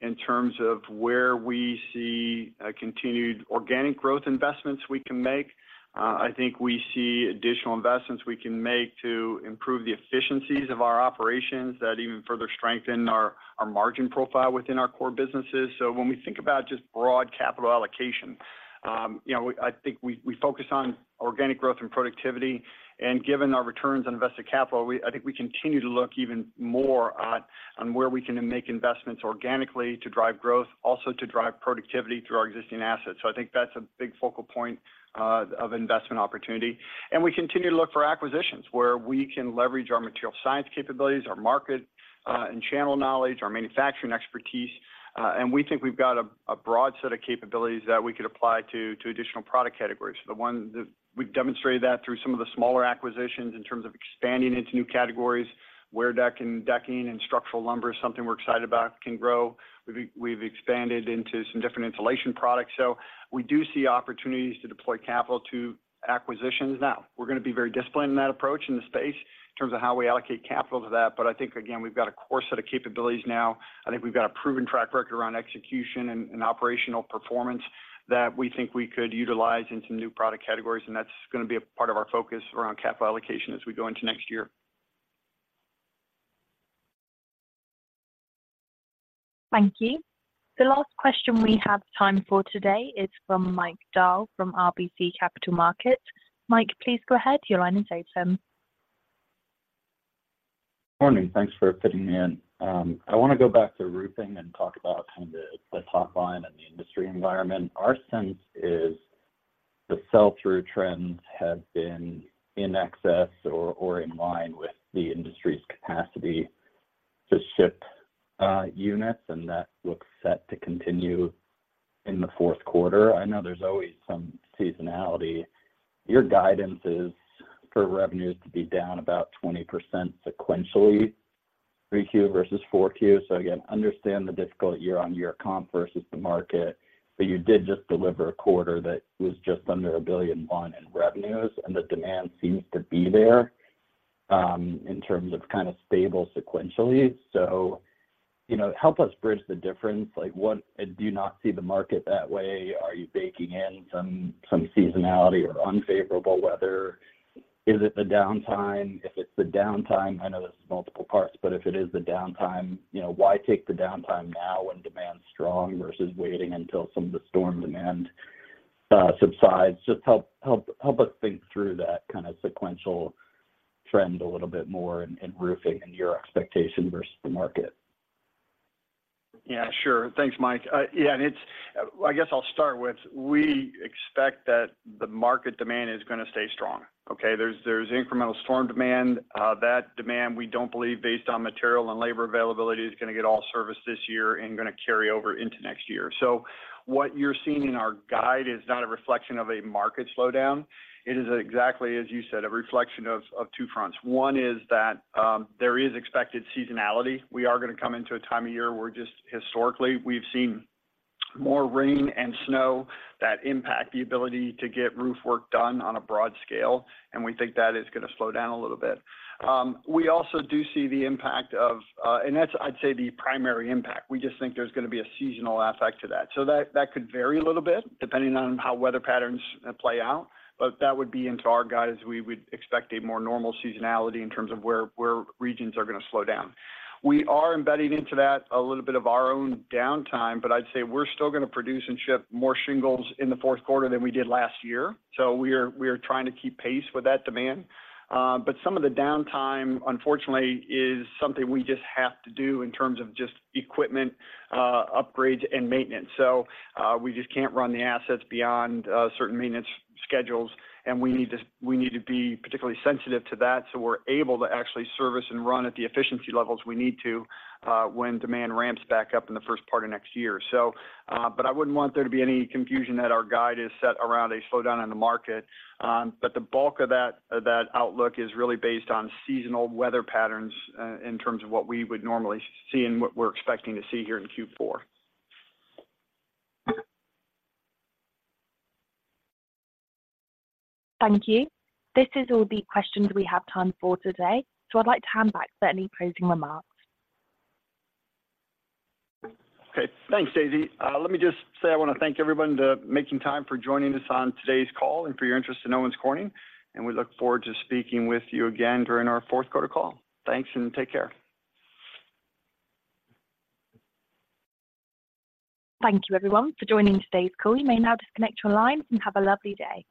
in terms of where we see continued organic growth investments we can make. I think we see additional investments we can make to improve the efficiencies of our operations that even further strengthen our margin profile within our core businesses. So when we think about just broad capital allocation, you know, we—I think we focus on organic growth and productivity, and given our returns on invested capital, we—I think we continue to look even more on where we can make investments organically to drive growth, also to drive productivity through our existing assets. So I think that's a big focal point of investment opportunity. And we continue to look for acquisitions where we can leverage our material science capabilities, our market, and channel knowledge, our manufacturing expertise, and we think we've got a broad set of capabilities that we could apply to additional product categories. So the one that we've demonstrated that through some of the smaller acquisitions in terms of expanding into new categories, where deck and decking and structural lumber is something we're excited about, can grow. We've expanded into some different insulation products. So we do see opportunities to deploy capital to acquisitions. Now, we're gonna be very disciplined in that approach in the space in terms of how we allocate capital to that. But I think, again, we've got a core set of capabilities now. I think we've got a proven track record around execution and operational performance that we think we could utilize in some new product categories, and that's gonna be a part of our focus around capital allocation as we go into next year. Thank you. The last question we have time for today is from Mike Dahl from RBC Capital Markets. Mike, please go ahead. Your line is open. Morning. Thanks for fitting me in. I wanna go back to roofing and talk about kind of the top line and the industry environment. Our sense is the sell-through trends have been in excess or, or in line with the industry's capacity to ship units, and that looks set to continue in the Q4. I know there's always some seasonality. Your guidance is for revenues to be down about 20% sequentially, Q3 versus Q4. So again, understand the difficult year-on-year comp versus the market, but you did just deliver a quarter that was just under $1.1 billion in revenues, and the demand seems to be there in terms of kind of stable sequentially. So, you know, help us bridge the difference. Like, what, do you not see the market that way? Are you baking in some seasonality or unfavorable weather? Is it the downtime? If it's the downtime, I know this is multiple parts, but if it is the downtime, you know, why take the downtime now when demand's strong versus waiting until some of the storm demand subsides? Just help, help, help us think through that kind of sequential trend a little bit more in roofing and your expectation versus the market. Yeah, sure. Thanks, Mike. I guess I'll start with, we expect that the market demand is gonna stay strong, okay? There's incremental storm demand. That demand, we don't believe, based on material and labor availability, is gonna get all serviced this year and gonna carry over into next year. So what you're seeing in our guide is not a reflection of a market slowdown. It is exactly, as you said, a reflection of two fronts. One is that there is expected seasonality. We are gonna come into a time of year where just historically, we've seen more rain and snow that impact the ability to get roof work done on a broad scale, and we think that is gonna slow down a little bit. We also do see the impact of, and that's, I'd say, the primary impact. We just think there's gonna be a seasonal effect to that. So that could vary a little bit, depending on how weather patterns play out, but that would be into our guide, as we would expect a more normal seasonality in terms of where regions are gonna slow down. We are embedded into that, a little bit of our own downtime, but I'd say we're still gonna produce and ship more shingles in the Q4 than we did last year. So we are trying to keep pace with that demand. But some of the downtime, unfortunately, is something we just have to do in terms of just equipment upgrades, and maintenance. So, we just can't run the assets beyond certain maintenance schedules, and we need to be particularly sensitive to that, so we're able to actually service and run at the efficiency levels we need to when demand ramps back up in the first part of next year. But I wouldn't want there to be any confusion that our guide is set around a slowdown in the market. But the bulk of that outlook is really based on seasonal weather patterns in terms of what we would normally see and what we're expecting to see here in Q4. Thank you. This is all the questions we have time for today, so I'd like to hand back for any closing remarks. Okay. Thanks, Daisy. Let me just say I wanna thank everyone to making time for joining us on today's call and for your interest in Owens Corning, and we look forward to speaking with you again during our Q4 call. Thanks, and take care. Thank you, everyone, for joining today's call. You may now disconnect your lines and have a lovely day.